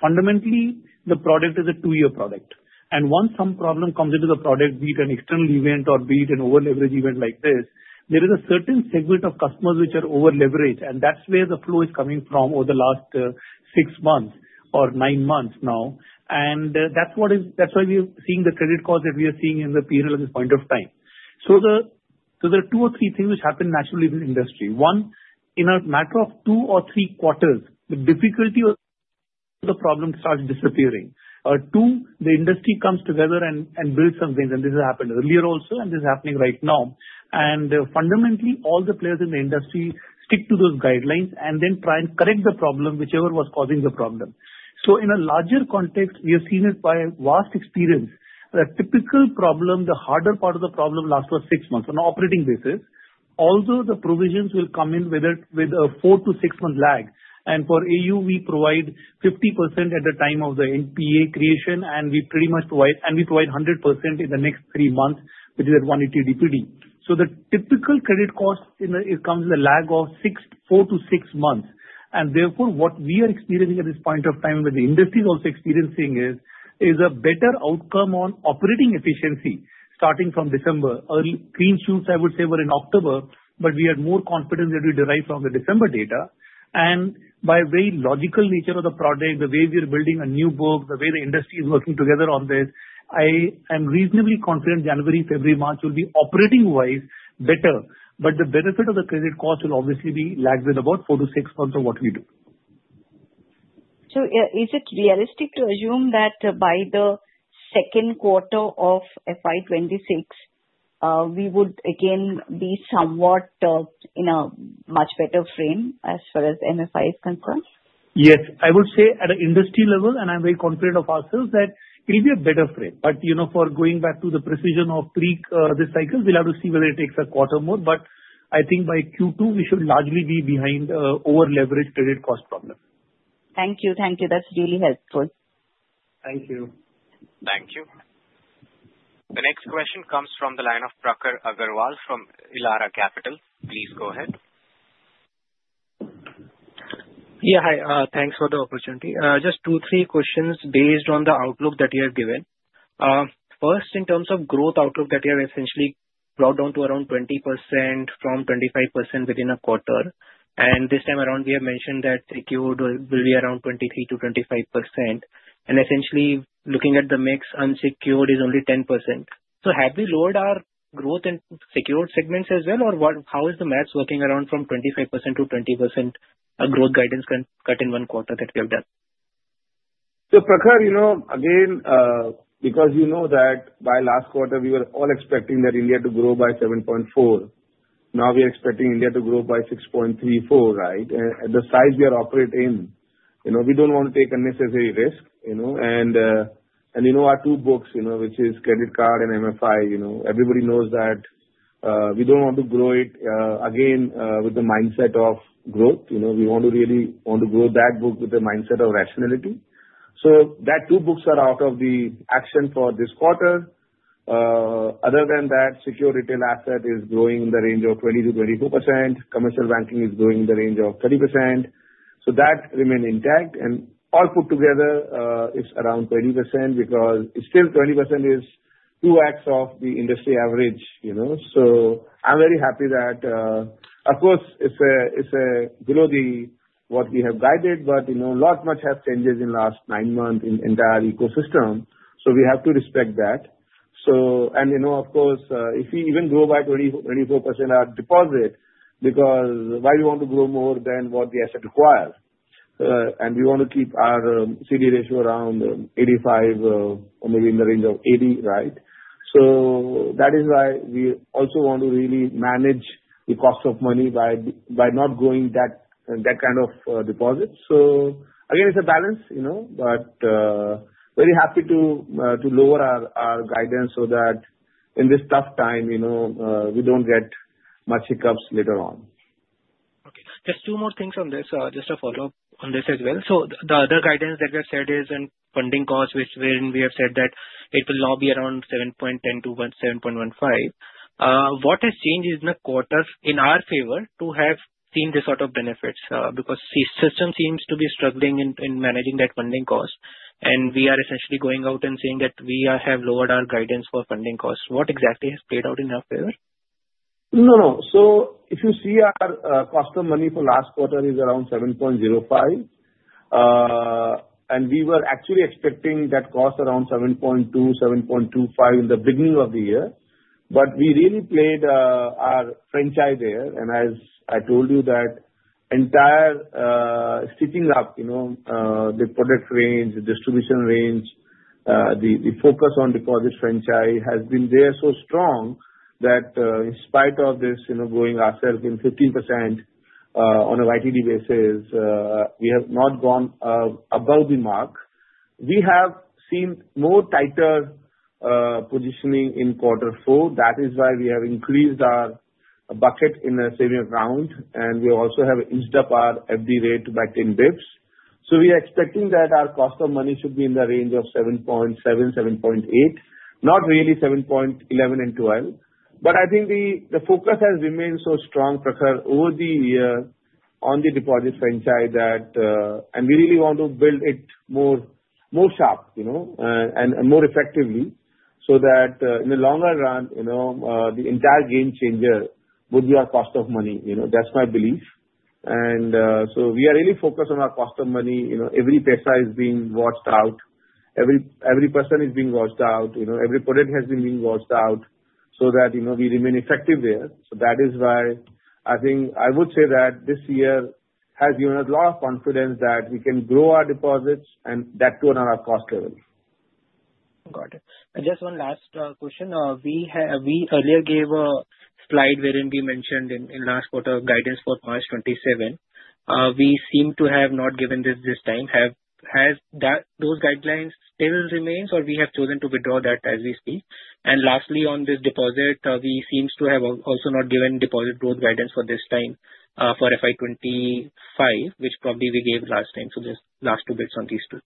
S10: Fundamentally, the product is a two-year product, and once some problem comes into the product, be it an external event or be it an over-leverage event like this, there is a certain segment of customers which are over-leveraged, and that's where the flow is coming from over the last six months or nine months now, and that's why we are seeing the credit cost that we are seeing in the period at this point of time, so there are two or three things which happen naturally in the industry. One, in a matter of two or three quarters, the difficulty of the problem starts disappearing. Two, the industry comes together and builds something, and this has happened earlier also, and this is happening right now, and fundamentally, all the players in the industry stick to those guidelines and then try and correct the problem, whichever was causing the problem. In a larger context, we have seen it by vast experience. The typical problem, the harder part of the problem lasts for six months on an operating basis, although the provisions will come in with a four- to six-month lag. And for AU, we provide 50% at the time of the NPA creation, and we pretty much provide 100% in the next three months, which is at 180 DPD. So the typical credit cost comes with a lag of four to six months. And therefore, what we are experiencing at this point of time, the industry is also experiencing, is a better outcome on operating efficiency starting from December. Early green shoots, I would say, were in October, but we had more confidence that we derived from the December data. And by very logical nature of the product, the way we are building a new book, the way the industry is working together on this, I am reasonably confident January, February, March will be operating-wise better. But the benefit of the credit cost will obviously be lagged with about four to six months of what we do.
S9: So is it realistic to assume that by the second quarter of FY 2026, we would again be somewhat in a much better frame as far as MFI is concerned?
S10: Yes. I would say at an industry level, and I'm very confident of ourselves, that it will be a better frame. But for going back to the precision of three cycles, we'll have to see whether it takes a quarter more. But I think by Q2, we should largely be behind over-leveraged credit cost problem.
S9: Thank you. Thank you. That's really helpful.
S10: Thank you.
S1: Thank you. The next question comes from the line of Prakhar Agarwal from Elara Capital. Please go ahead.
S11: Yeah. Hi. Thanks for the opportunity. Just two, three questions based on the outlook that you have given. First, in terms of growth outlook, that you have essentially brought down to around 20% from 25% within a quarter. And this time around, we have mentioned that secured will be around 23%-25%. And essentially, looking at the mix, unsecured is only 10%. So have we lowered our growth in secured segments as well, or how is the math working around from 25% to 20% growth guidance cut in one quarter that we have done?
S5: So Prakhar, again, because you know that by last quarter, we were all expecting that India to grow by 7.4. Now we are expecting India to grow by 6.34, right? The size we are operating in, we don't want to take unnecessary risk. Our two books, which is Credit Card and MFI, everybody knows that we don't want to grow it again with the mindset of growth. We want to really want to grow that book with the mindset of rationality. So that two books are out of the action for this quarter. Other than that, secured retail assets are growing in the range of 20%-24%. Commercial banking is growing in the range of 30%. So that remained intact. And all put together, it's around 20% because still 20% is 2x of the industry average. So I'm very happy that, of course, it's below what we have guided, but a lot much has changed in the last nine months in the entire ecosystem. So we have to respect that. Of course, if we even grow by 24% our deposit, because why we want to grow more than what the asset requires? We want to keep our CD ratio around 85% or maybe in the range of 80%, right? So that is why we also want to really manage the cost of money by not going that kind of deposit. So again, it's a balance, but very happy to lower our guidance so that in this tough time, we don't get much hiccups later on.
S11: Okay. Just two more things on this, just a follow-up on this as well. So the other guidance that we have said is on funding cost, which when we have said that it will now be around 7.10%-7.15%. What has changed in a quarter in our favor to have seen this sort of benefits? Because the system seems to be struggling in managing that funding cost, and we are essentially going out and saying that we have lowered our guidance for funding costs. What exactly has played out in your favor?
S5: No, no. So if you see our cost of money for last quarter is around 7.05%. And we were actually expecting that cost around 7.2-7.25% in the beginning of the year. But we really played our franchise there. And as I told you, that entire strengthening, the product range, the distribution range, the focus on deposit franchise has been there so strong that in spite of this growth ourselves in 15% on a YTD basis, we have not gone above the mark. We have seen more tighter positioning in quarter four. That is why we have increased our bucket in the savings account. We also have inched up our FD rate by 10 basis points. So we are expecting that our cost of money should be in the range of 7.7%-7.8%, not really 7.11% and 12%. But I think the focus has remained so strong, Prakhar, over the year on the deposit franchise that we really want to build it more sharp and more effectively so that in the longer run, the entire game changer would be our cost of money. That's my belief. And so we are really focused on our cost of money. Every paisa is being watched out. Every person is being watched out. Every product has been being watched out so that we remain effective there. So that is why I think I would say that this year has given us a lot of confidence that we can grow our deposits and that too at another cost level.
S11: Got it. And just one last question. We earlier gave a slide wherein we mentioned in last quarter guidance for March 2027. We seem to have not given this this time. Has those guidelines still remained, or we have chosen to withdraw that as we speak? And lastly, on this deposit, we seem to have also not given deposit growth guidance for this time for FY 2025, which probably we gave last time. So just last two bits on these two.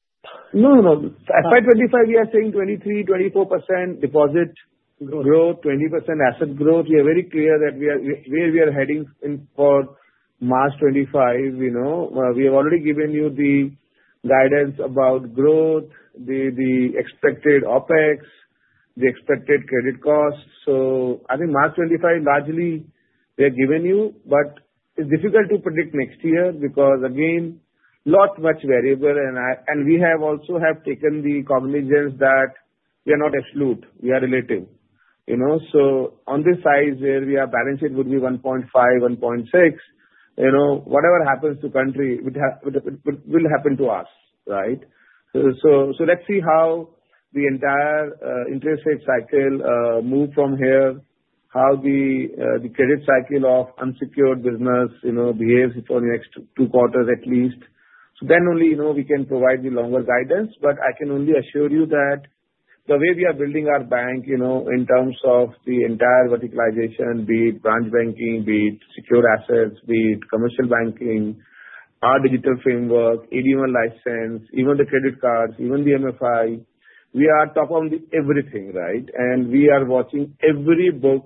S5: No, no. FY 2025, we are saying 23-24% deposit growth, 20% asset growth. We are very clear that where we are heading for March 2025. We have already given you the guidance about growth, the expected OPEX, the expected credit cost. So I think March 2025, largely, we have given you. But it's difficult to predict next year because, again, a lot much variable. We have also taken cognizance that we are not absolute. We are relative. On this size where we are balanced, it would be 1.5, 1.6. Whatever happens to the country, it will happen to us, right? Let's see how the entire interest rate cycle moves from here, how the credit cycle of unsecured business behaves for the next two quarters at least. Then only we can provide the longer guidance. I can only assure you that the way we are building our bank in terms of the entire verticalization, be it branch banking, be it secured assets, be it commercial banking, our digital framework, AD-I license, even the credit cards, even the MFI, we are on top of everything, right? We are watching every book,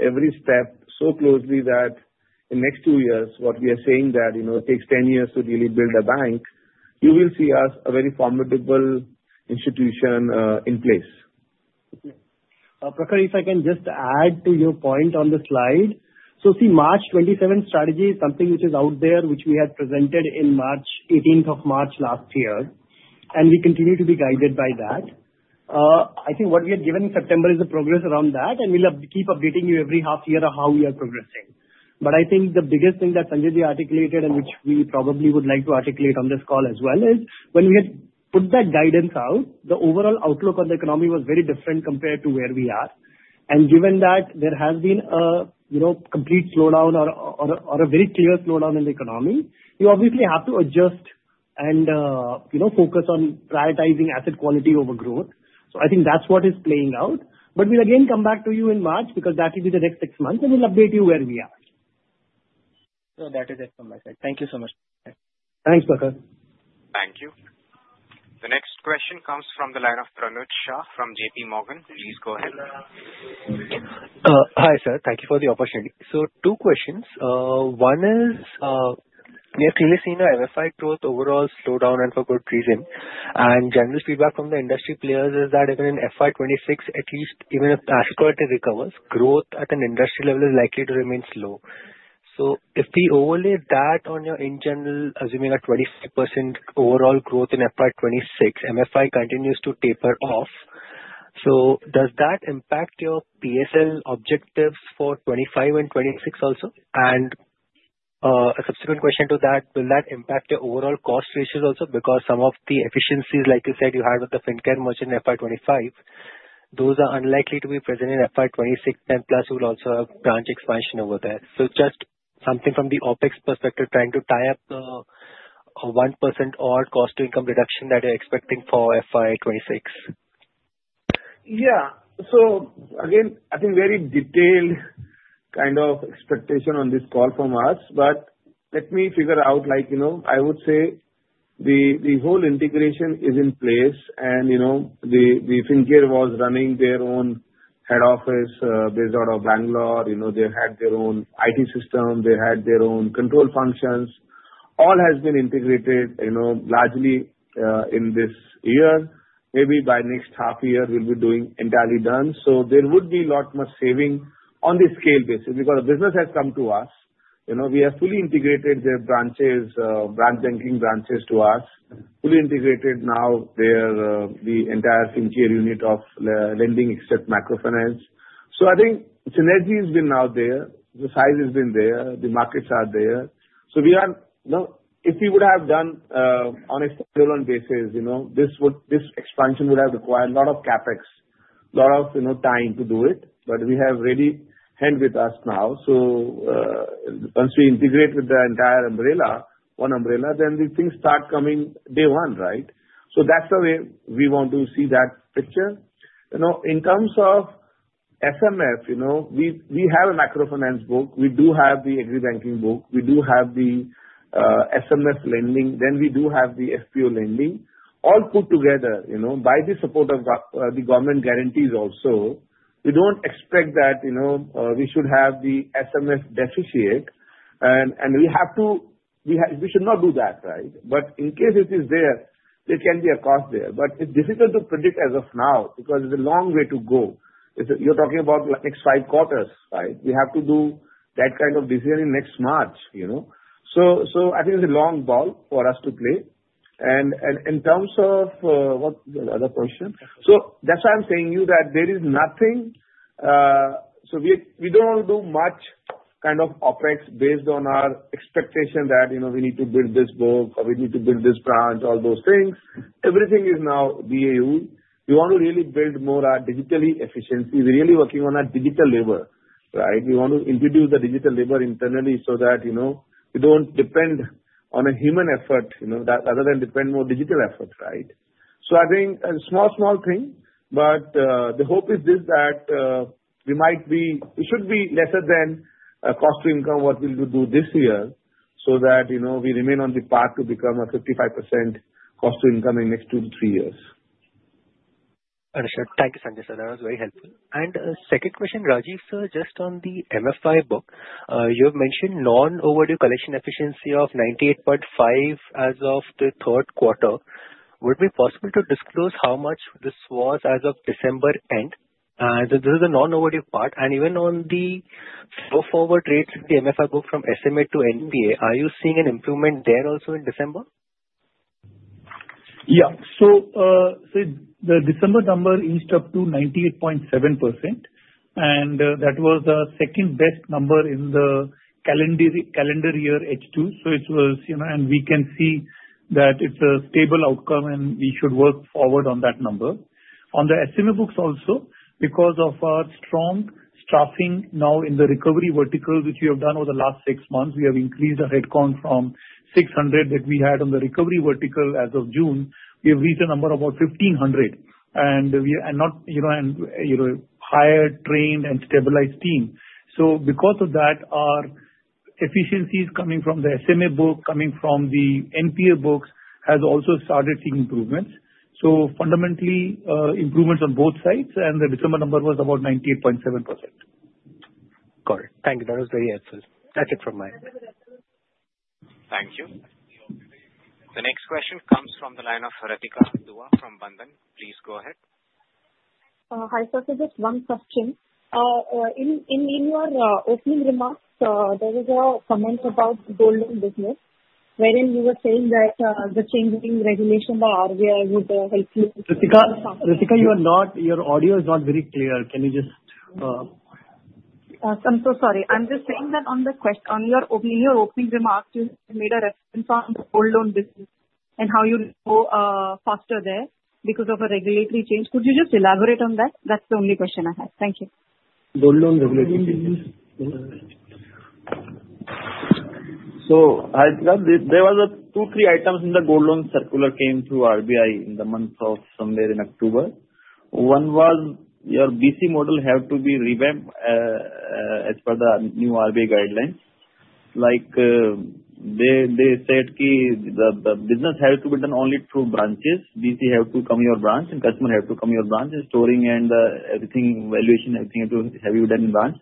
S5: every step so closely that in the next two years, what we are saying that it takes 10 years to really build a bank, you will see us a very formidable institution in place.
S2: Prakhar, if I can just add to your point on the slide. See, March 27 strategy is something which is out there, which we had presented on March 18th of March last year. We continue to be guided by that. I think what we had given in September is the progress around that. We'll keep updating you every half year on how we are progressing. But I think the biggest thing that Sanjayji articulated and which we probably would like to articulate on this call as well is when we had put that guidance out, the overall outlook on the economy was very different compared to where we are. And given that there has been a complete slowdown or a very clear slowdown in the economy, we obviously have to adjust and focus on prioritizing asset quality over growth. So I think that's what is playing out. But we'll again come back to you in March because that will be the next six months, and we'll update you where we are.
S11: So that is it from my side. Thank you so much.
S2: Thanks, Prakhar.
S1: Thank you. The next question comes from the line of Pranuj Shah from JPMorgan. Please go ahead.
S12: Hi, sir. Thank you for the opportunity. So two questions. One is we have clearly seen our MFI growth overall slow down and for good reason, and general feedback from the industry players is that even in FY 2026, at least even if asset quality recovers, growth at an industry level is likely to remain slow. So if we overlay that on your in general, assuming a 25% overall growth in FY 2026, MFI continues to taper off. So does that impact your PSL objectives for FY 2025 and FY 2026 also? And a subsequent question to that, will that impact your overall cost ratios also? Because some of the efficiencies, like you said, you had with the Fincare merger in FY 2025, those are unlikely to be present in FY 2026. And plus, you will also have branch expansion over there. So just something from the OPEX perspective, trying to tie up a 1% cost to income reduction that you're expecting for FY 2026.
S5: Yeah. So again, I think very detailed kind of expectation on this call from us. But let me figure out. I would say the whole integration is in place. And the Fincare was running their own head office based out of Bangalore. They had their own IT system. They had their own control functions. All has been integrated largely in this year. Maybe by next half year, we'll be doing entirely done. So there would be a lot much saving on the scale basis because the business has come to us. We have fully integrated their branches, branch banking branches to us, fully integrated now the entire Fincare unit of lending except microfinance. So I think synergy has been out there. The size has been there. The markets are there. So if we would have done on a standalone basis, this expansion would have required a lot of CapEx, a lot of time to do it. But we have ready hands with us now. So once we integrate with the entire umbrella under one umbrella, then these things start coming day one, right? So that's the way we want to see that picture. In terms of SMF, we have a microfinance book. We do have the agribanking book. We do have the SMF lending. Then we do have the FPO lending. All put together by the support of the government guarantees also. We don't expect that we should have the SMF deficit. And we should not do that, right? But in case it is there, there can be a cost there. But it's difficult to predict as of now because it's a long way to go. You're talking about the next five quarters, right? We have to do that kind of decision in next March. So I think it's a long ball for us to play. And in terms of what was the other question? So that's why I'm saying to you that there is nothing. So we don't want to do much kind of OpEx based on our expectation that we need to build this book, or we need to build this branch, all those things. Everything is now BAU. We want to really build more our digital efficiency. We're really working on our digital labor, right? We want to introduce the digital labor internally so that we don't depend on a human effort rather than depend more digital effort, right? So I think a small, small thing. But the hope is this that we might be we should be lesser than cost to income what we will do this year so that we remain on the path to become a 55% cost to income in next two to three years.
S12: Understood. Thank you, Sanjay sir. That was very helpful. And second question, Rajeev sir, just on the MFI book, you have mentioned non-overdue collection efficiency of 98.5% as of the third quarter. Would it be possible to disclose how much this was as of December end? This is the non-overdue part. And even on the slippages in the MFI book from SMA to NPA, are you seeing an improvement there also in December?
S10: Yeah. So the December number inched up to 98.7%. And that was the second best number in the calendar year H2. So it was, and we can see that it's a stable outcome, and we should work forward on that number. On the SMA books also, because of our strong staffing now in the recovery vertical, which we have done over the last six months, we have increased our headcount from 600 that we had on the recovery vertical as of June. We have reached a number of about 1,500. And we now have a higher trained and stabilized team. So because of that, our efficiencies coming from the SMA book, coming from the NPA books has also started seeing improvements. So fundamentally, improvements on both sides. And the December number was about 98.7%.
S12: Got it. Thank you. That was very helpful. That's it from my end.
S1: Thank you. The next question comes from the line of Ritika Dua from Bandhan. Please go ahead.
S13: Hi Sanjay, just one question. In your opening remarks, there was a comment about the gold loan business, wherein you were saying that the changing regulation by RBI would help you.
S5: Ritika, your audio is not very clear. Can you just?
S13: I'm so sorry. I'm just saying that on your opening remarks, you made a reference on the gold loan business and how you faster there because of a regulatory change. Could you just elaborate on that? That's the only question I have. Thank you.
S14: Gold loan regulatory changes. So there were two, three items in the gold loan circular came through RBI in the month of somewhere in October. One was your BC model have to be revamped as per the new RBI guidelines. They said the business has to be done only through branches. BC have to come your branch, and customer have to come your branch and storing and everything, valuation, everything have to have you done in branch.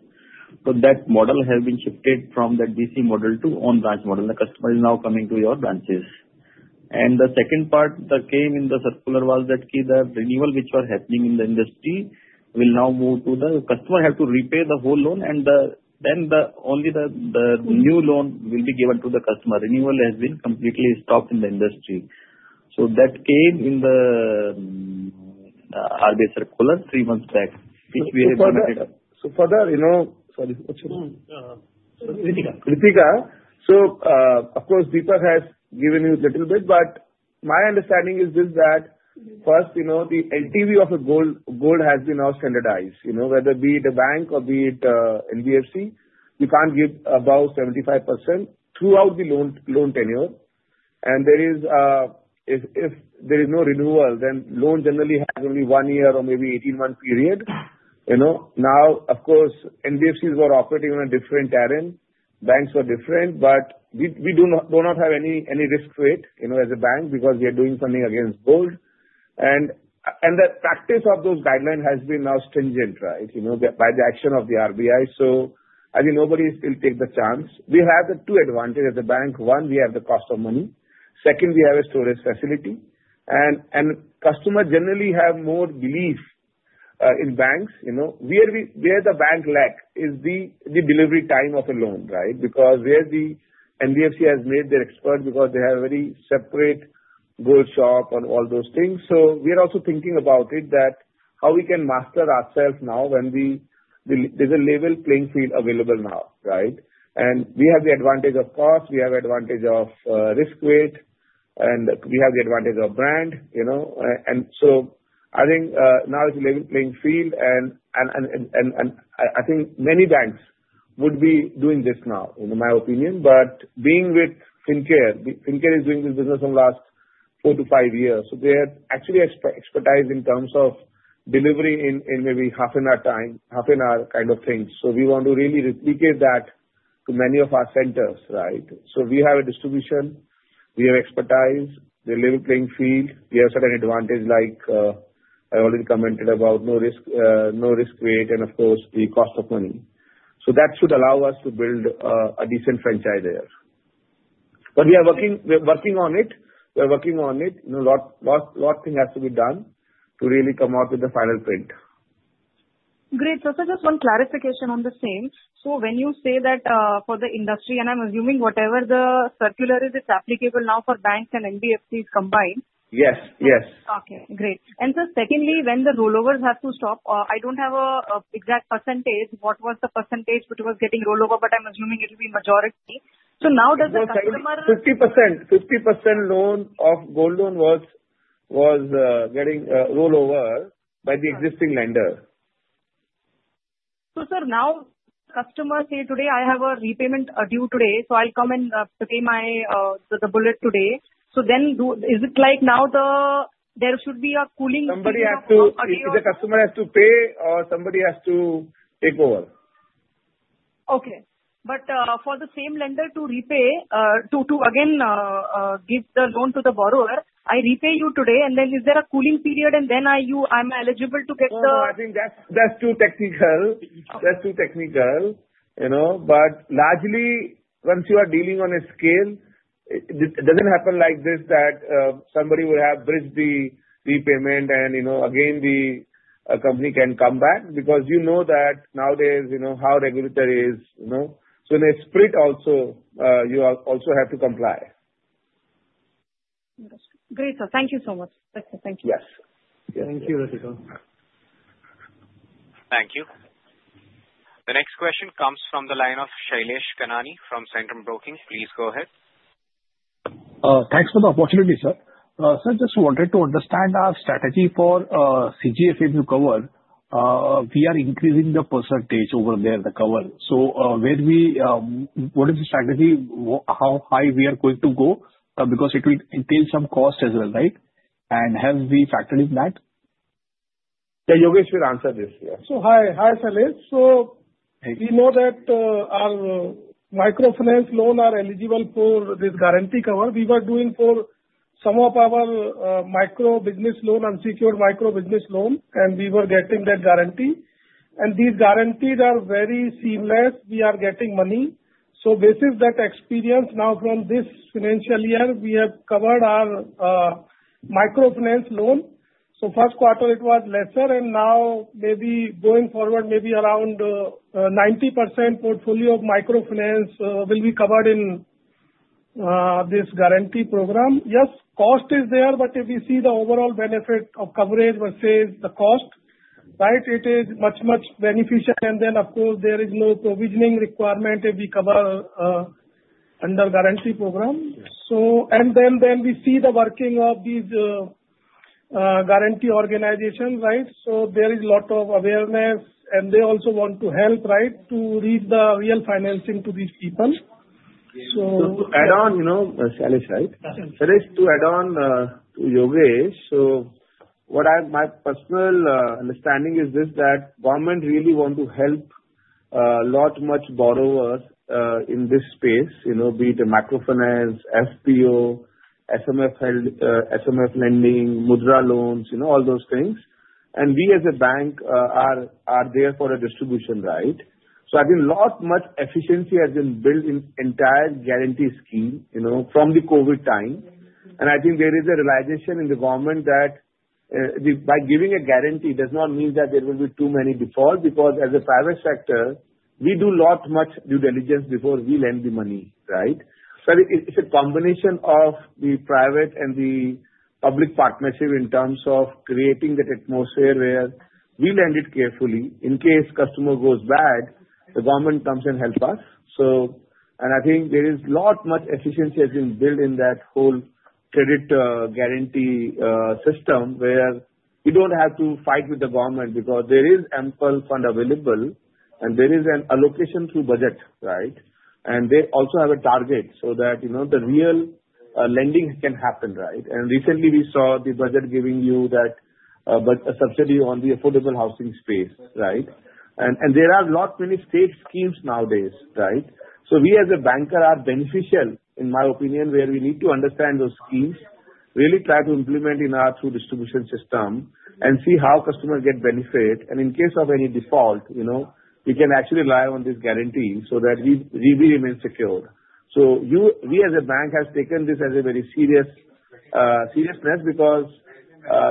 S14: So that model has been shifted from that BC model to on-branch model. The customer is now coming to your branches. And the second part that came in the circular was that the renewal which were happening in the industry will now move to the customer have to repay the whole loan, and then only the new loan will be given to the customer. Renewal has been completely stopped in the industry. So that came in the RBI circular three months back.
S5: So for that, sorry. Ritika. Ritika. So of course, Deepak has given you a little bit, but my understanding is this that first, the LTV of the gold has been now standardized. Whether it be a bank or be it NBFC, you can't give above 75% throughout the loan tenure. If there is no renewal, then loan generally has only one year or maybe 18-month period. Now, of course, NBFCs were operating on a different terrain. Banks were different. We do not have any risk to it as a bank because we are doing something against gold. The practice of those guidelines has been now stringent, right, by the action of the RBI. I think nobody will take the chance. We have the two advantages as a bank. One, we have the cost of money. Second, we have a storage facility. Customers generally have more belief in banks. Where the bank lack is the delivery time of a loan, right? Because where the NBFC has made their expert because they have a very separate gold shop and all those things. So we are also thinking about it that how we can master ourselves now when there's a level playing field available now, right? And we have the advantage of cost. We have the advantage of risk weight. And we have the advantage of brand. And so I think now it's a level playing field. And I think many banks would be doing this now, in my opinion. But being with Fincare, Fincare is doing this business for the last four to five years. So they have actually expertise in terms of delivery in maybe half an hour time, half an hour kind of thing. So we want to really replicate that to many of our centers, right? So we have a distribution. We have expertise. We have a level playing field. We have certain advantages like I already commented about no risk weight and, of course, the cost of money. So that should allow us to build a decent franchise there. But we are working on it. We are working on it. A lot of things have to be done to really come out with the final print.
S13: Great. So just one clarification on the same. So when you say that for the industry, and I'm assuming whatever the circular is, it's applicable now for banks and NBFCs combined.
S5: Yes. Yes.
S13: Okay. Great. And so secondly, when the rollovers have to stop, I don't have an exact percentage. What was the percentage which was getting rollover? But I'm assuming it will be majority. So now does the customer?
S5: 50%. 50% loan of gold loan was getting rollover by the existing lender.
S13: So sir, now customers say, "Today, I have a repayment due today. So I'll come and pay the bullet today." So then is it like now there should be a cooling period?
S5: Somebody has to if the customer has to pay, somebody has to take over.
S13: Okay. But for the same lender to repay, to again give the loan to the borrower, "I repay you today," and then is there a cooling period, and then I'm eligible to get the?
S5: No, I think that's too technical. That's too technical. But largely, once you are dealing on a scale, it doesn't happen like this that somebody will have bridged the repayment and again the company can come back because you know that nowadays how regulatory is. So when they split also, you also have to comply.
S13: Understood. Great. So thank you so much. Thank you.
S5: Yes. Thank you, Ritika.
S1: Thank you. The next question comes from the line of Shailesh Kanani from Centrum Broking. Please go ahead.
S15: Thanks for the opportunity, sir. Sir, just wanted to understand our strategy for CGFMU cover. We are increasing the percentage over there, the cover. So what is the strategy? How high we are going to go? Because it will entail some cost as well, right? And have we factored in that?
S5: Yeah. Yogesh will answer this.
S16: Yeah. So hi, Shailesh. So we know that our microfinance loans are eligible for this guarantee cover. We were doing for some of our micro business loan, unsecured micro business loan, and we were getting that guarantee. And these guarantees are very seamless. We are getting money. So basically that experience now from this financial year, we have covered our microfinance loan. So first quarter, it was lesser. Now maybe going forward, maybe around 90% portfolio of microfinance will be covered in this guarantee program. Yes, cost is there, but if we see the overall benefit of coverage versus the cost, right, it is much, much beneficial. Then, of course, there is no provisioning requirement if we cover under guarantee program. Then we see the working of these guarantee organizations, right? There is a lot of awareness, and they also want to help, right, to reach the real financing to these people.
S5: To add on, Shailesh, right? Shailesh, to add on to Yogesh, so my personal understanding is this that government really want to help a lot much borrowers in this space, be it a microfinance, FPO, SMF lending, Mudra loans, all those things. We as a bank are there for a distribution, right? So I think a lot much efficiency has been built in entire guarantee scheme from the COVID time. And I think there is a realization in the government that by giving a guarantee, it does not mean that there will be too many defaults because as a private sector, we do a lot much due diligence before we lend the money, right? So I think it's a combination of the private and the public partnership in terms of creating that atmosphere where we lend it carefully. In case customer goes bad, the government comes and helps us. And I think there is a lot much efficiency has been built in that whole credit guarantee system where you don't have to fight with the government because there is ample fund available, and there is an allocation through budget, right? And they also have a target so that the retail lending can happen, right? And recently, we saw the budget giving you that subsidy on the affordable housing space, right? And there are a lot of state schemes nowadays, right? So we as a banker are beneficial, in my opinion, where we need to understand those schemes, really try to implement through our distribution system and see how customers get benefit. And in case of any default, we can actually rely on this guarantee so that we remain secured. So we as a bank have taken this very seriously because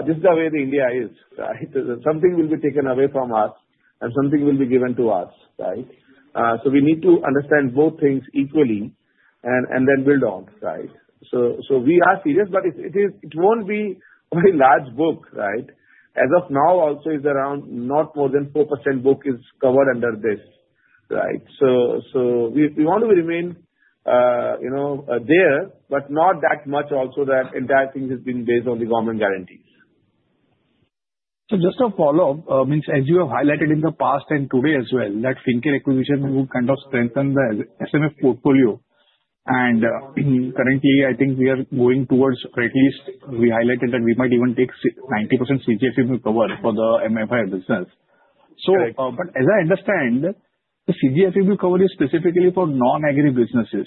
S5: this is the way India is, right? Something will be taken away from us, and something will be given to us, right? So we need to understand both things equally and then build on, right? So we are serious, but it won't be a very large book, right? As of now, also it's around not more than 4% book is covered under this, right? So we want to remain there, but not that much also that entire thing has been based on the government guarantees.
S15: So just a follow-up means as you have highlighted in the past and today as well, that Fincare acquisition will kind of strengthen the SMF portfolio. And currently, I think we are going towards or at least we highlighted that we might even take 90% CGFMU cover for the MFI business. But as I understand, the CGFMU will cover you specifically for non-agri businesses.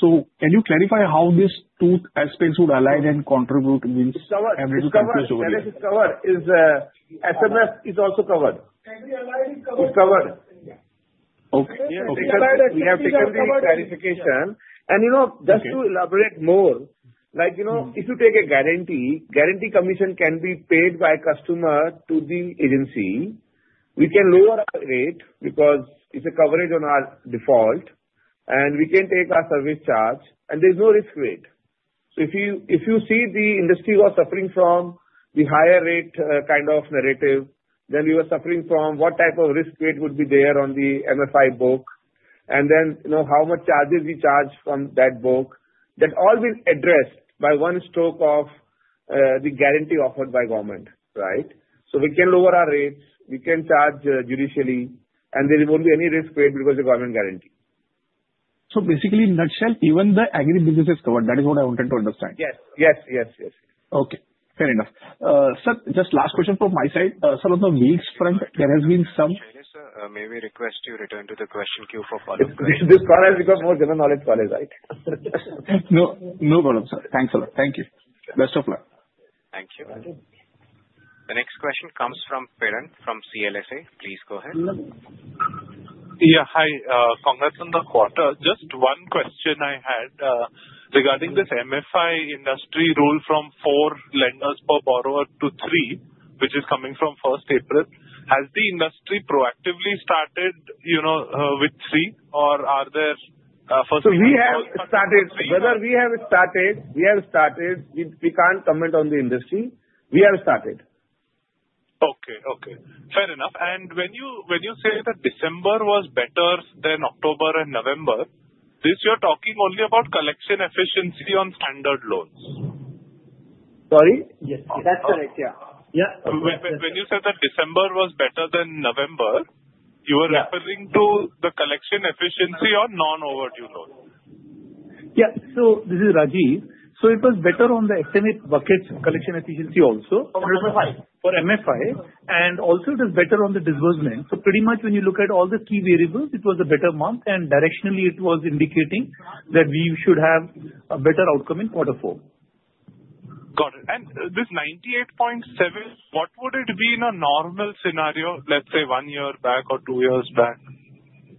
S15: So can you clarify how these two aspects would align and contribute means?
S5: It's covered. SMF is also covered. It's covered. Okay. We have taken the clarification. And just to elaborate more, if you take a guarantee, guarantee commission can be paid by customer to the agency. We can lower our rate because it's a coverage on our default, and we can take our service charge, and there's no risk weight. So if you see the industry was suffering from the higher rate kind of narrative, then we were suffering from what type of risk weight would be there on the MFI book, and then how much charges we charge from that book. That all will be addressed by one stroke of the guarantee offered by government, right? So we can lower our rates. We can charge judiciously, and there won't be any risk weight because of government guarantee.
S15: So basically, in nutshell, even the agri business is covered. That is what I wanted to understand.
S5: Yes. Yes. Yes. Yes.
S15: Okay. Fair enough. Sir, just last question from my side. Sir, on the Wheels front, there has been some.
S2: Shailesh, may we request you return to the question queue for follow-up questions?
S5: This call has become more general knowledge call, right?
S15: No problem. Thanks a lot. Thank you. Best of luck.
S1: Thank you. The next question comes from Piran from CLSA. Please go ahead.
S17: Yeah. Hi. Congrats on the quarter. Just one question I had regarding this MFI industry rule from four lenders per borrower to three, which is coming from 1st April. Has the industry proactively started with three, or are there first and second?
S5: We have started. Brother, we have started. We have started. We can't comment on the industry. We have started.
S17: Okay. Okay. Fair enough. And when you say that December was better than October and November, you're talking only about collection efficiency on standard loans.
S2: Sorry? Yes. That's correct. Yeah.
S17: Yeah. When you said that December was better than November, you were referring to the collection efficiency on non-overdue loans?
S10: Yeah. So this is Rajeev. So it was better on the SMA bucket collection efficiency also for MFI. And also, it is better on the disbursement. So pretty much when you look at all the key variables, it was a better month, and directionally, it was indicating that we should have a better outcome in quarter four.
S17: Got it. And this 98.7, what would it be in a normal scenario, let's say one year back or two years back?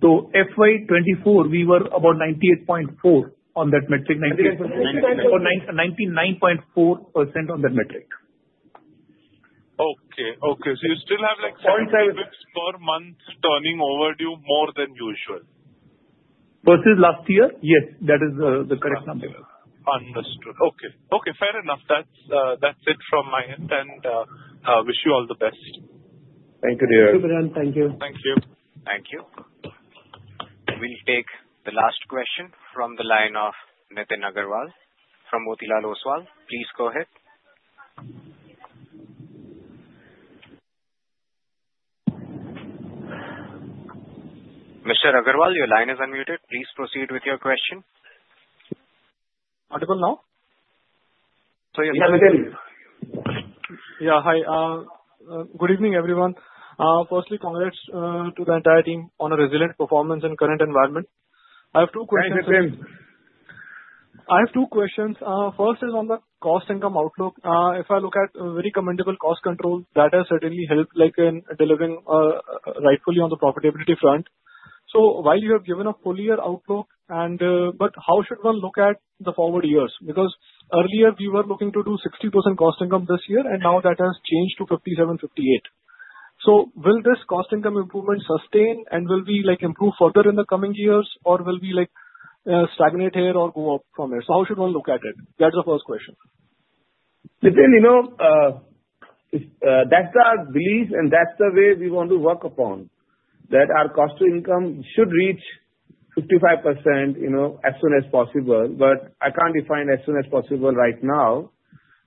S10: So FY 2024, we were about 98.4 on that metric. 99.4% on that metric.
S17: Okay. Okay. So you still have like 76 per month turning overdue more than usual.
S10: Versus last year? Yes. That is the correct number.
S17: Understood. Okay. Okay. Fair enough. That's it from my end, and I wish you all the best.
S10: Thank you, dear. Thank you, Piran.
S2: Thank you.
S17: Thank you.
S1: Thank you. We'll take the last question from the line of Nitin Aggarwal from Motilal Oswal. Please go ahead. Mr. Aggarwal, your line is unmuted. Please proceed with your question.
S18: Audible now?
S5: So, yes. Yeah. Nitin.
S18: Yeah. Hi. Good evening, everyone. Firstly, congrats to the entire team on a resilient performance in current environment. I have two questions.
S5: Hi, Nitin.
S18: I have two questions. First is on the cost income outlook. If I look at very commendable cost control, that has certainly helped in delivering rightfully on the profitability front. So while you have given a full-year outlook, but how should one look at the forward years? Because earlier, we were looking to do 60% cost income this year, and now that has changed to 57%-58%. So will this cost-to-income improvement sustain, and will we improve further in the coming years, or will we stagnate here or go up from here? So how should one look at it? That's the first question.
S5: Nitin, that's our belief, and that's the way we want to work upon that our cost-to-income should reach 55% as soon as possible. But I can't define as soon as possible right now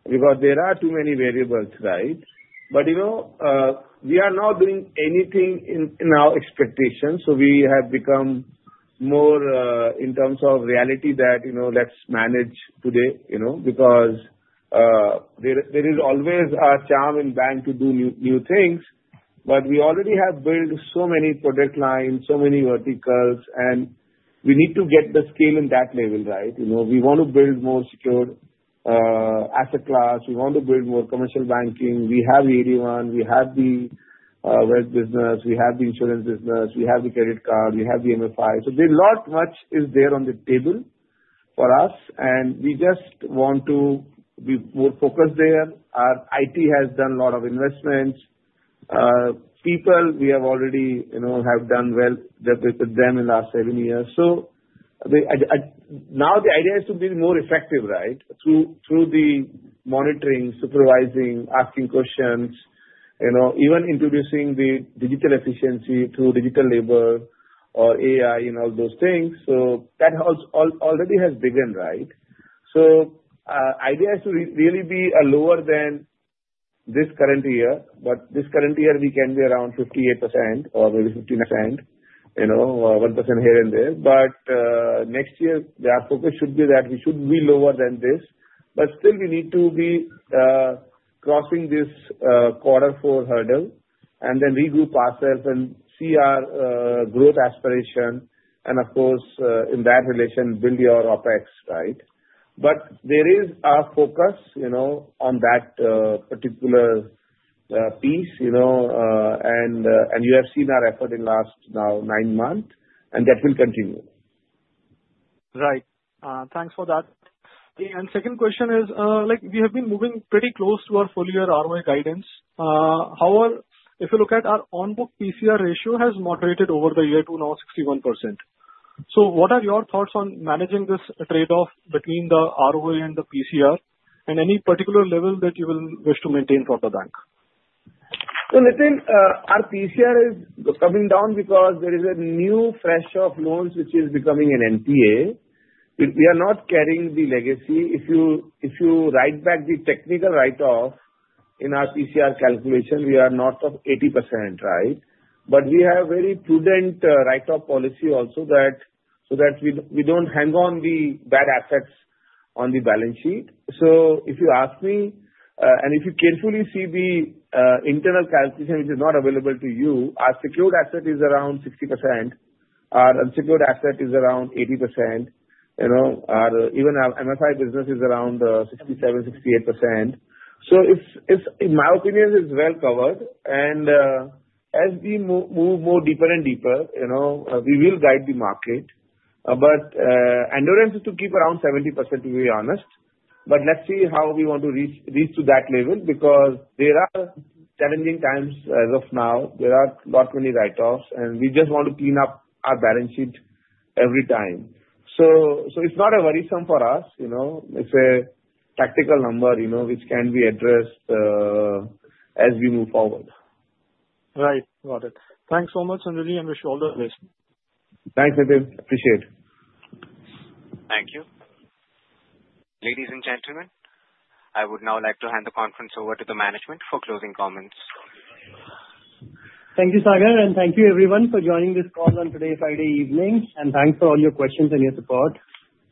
S5: because there are too many variables, right? But we are not doing anything in our expectations. So we have become more in terms of reality that let's manage today because there is always a charm in bank to do new things. But we already have built so many product lines, so many verticals, and we need to get the scale in that level, right? We want to build more secured asset class. We want to build more commercial banking. We have AD-I. We have the wealth business. We have the insurance business. We have the credit card. We have the MFI. So there's a lot much is there on the table for us, and we just want to be more focused there. Our IT has done a lot of investments. People, we have already done well with them in the last seven years. So now the idea is to be more effective, right, through the monitoring, supervising, asking questions, even introducing the digital efficiency through digital labor or AI and all those things. So that already has begun, right? So the idea is to really be lower than this current year. But this current year, we can be around 58% or maybe 59%, 1% here and there. But next year, our focus should be that we should be lower than this. But still, we need to be crossing this quarter four hurdle and then regroup ourselves and see our growth aspiration. And of course, in that relation, build your OpEx, right? But there is our focus on that particular piece, and you have seen our effort in last now nine months, and that will continue. Right. Thanks for that. And second question is, we have been moving pretty close to our full year ROA guidance. However, if you look at our on-book PCR ratio, it has moderated over the year to now 61%. So what are your thoughts on managing this trade-off between the ROA and the PCR and any particular level that you will wish to maintain for the bank? So Nitin, our PCR is coming down because there is a new fresh of loans which is becoming an NPA. We are not carrying the legacy. If you write back the technical write-off in our PCR calculation, we are north of 80%, right? But we have very prudent write-off policy also so that we don't hang on the bad assets on the balance sheet. So if you ask me, and if you carefully see the internal calculation, which is not available to you, our secured asset is around 60%. Our unsecured asset is around 80%. Even our MFI business is around 67%-68%. So in my opinion, it's well covered. And as we move more deeper and deeper, we will guide the market. But endurance is to keep around 70%, to be honest. But let's see how we want to reach to that level because there are challenging times as of now. There are not many write-offs, and we just want to clean up our balance sheet every time. So it's not a worrisome for us. It's a tactical number which can be addressed as we move forward.
S18: Right. Got it. Thanks so much, and really, I wish you all the best.
S5: Thanks, Nitin. Appreciate it.
S1: Thank you. Ladies and gentlemen, I would now like to hand the conference over to the management for closing comments.
S2: Thank you, Sagar, and thank you, everyone, for joining this call on today, Friday evening. And thanks for all your questions and your support.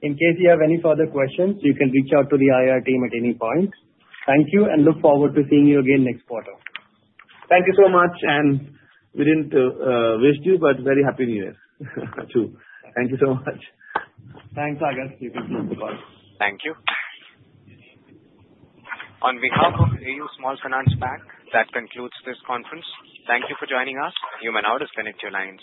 S2: In case you have any further questions, you can reach out to the IR team at any point. Thank you, and look forward to seeing you again next quarter.
S5: Thank you so much. And we didn't wish you, but very happy New Year too.
S2: Thank you so much. Thanks, Sagar. You can close the call.
S1: Thank you. On behalf of AU Small Finance Bank, that concludes this conference. Thank you for joining us. You may now disconnect your lines.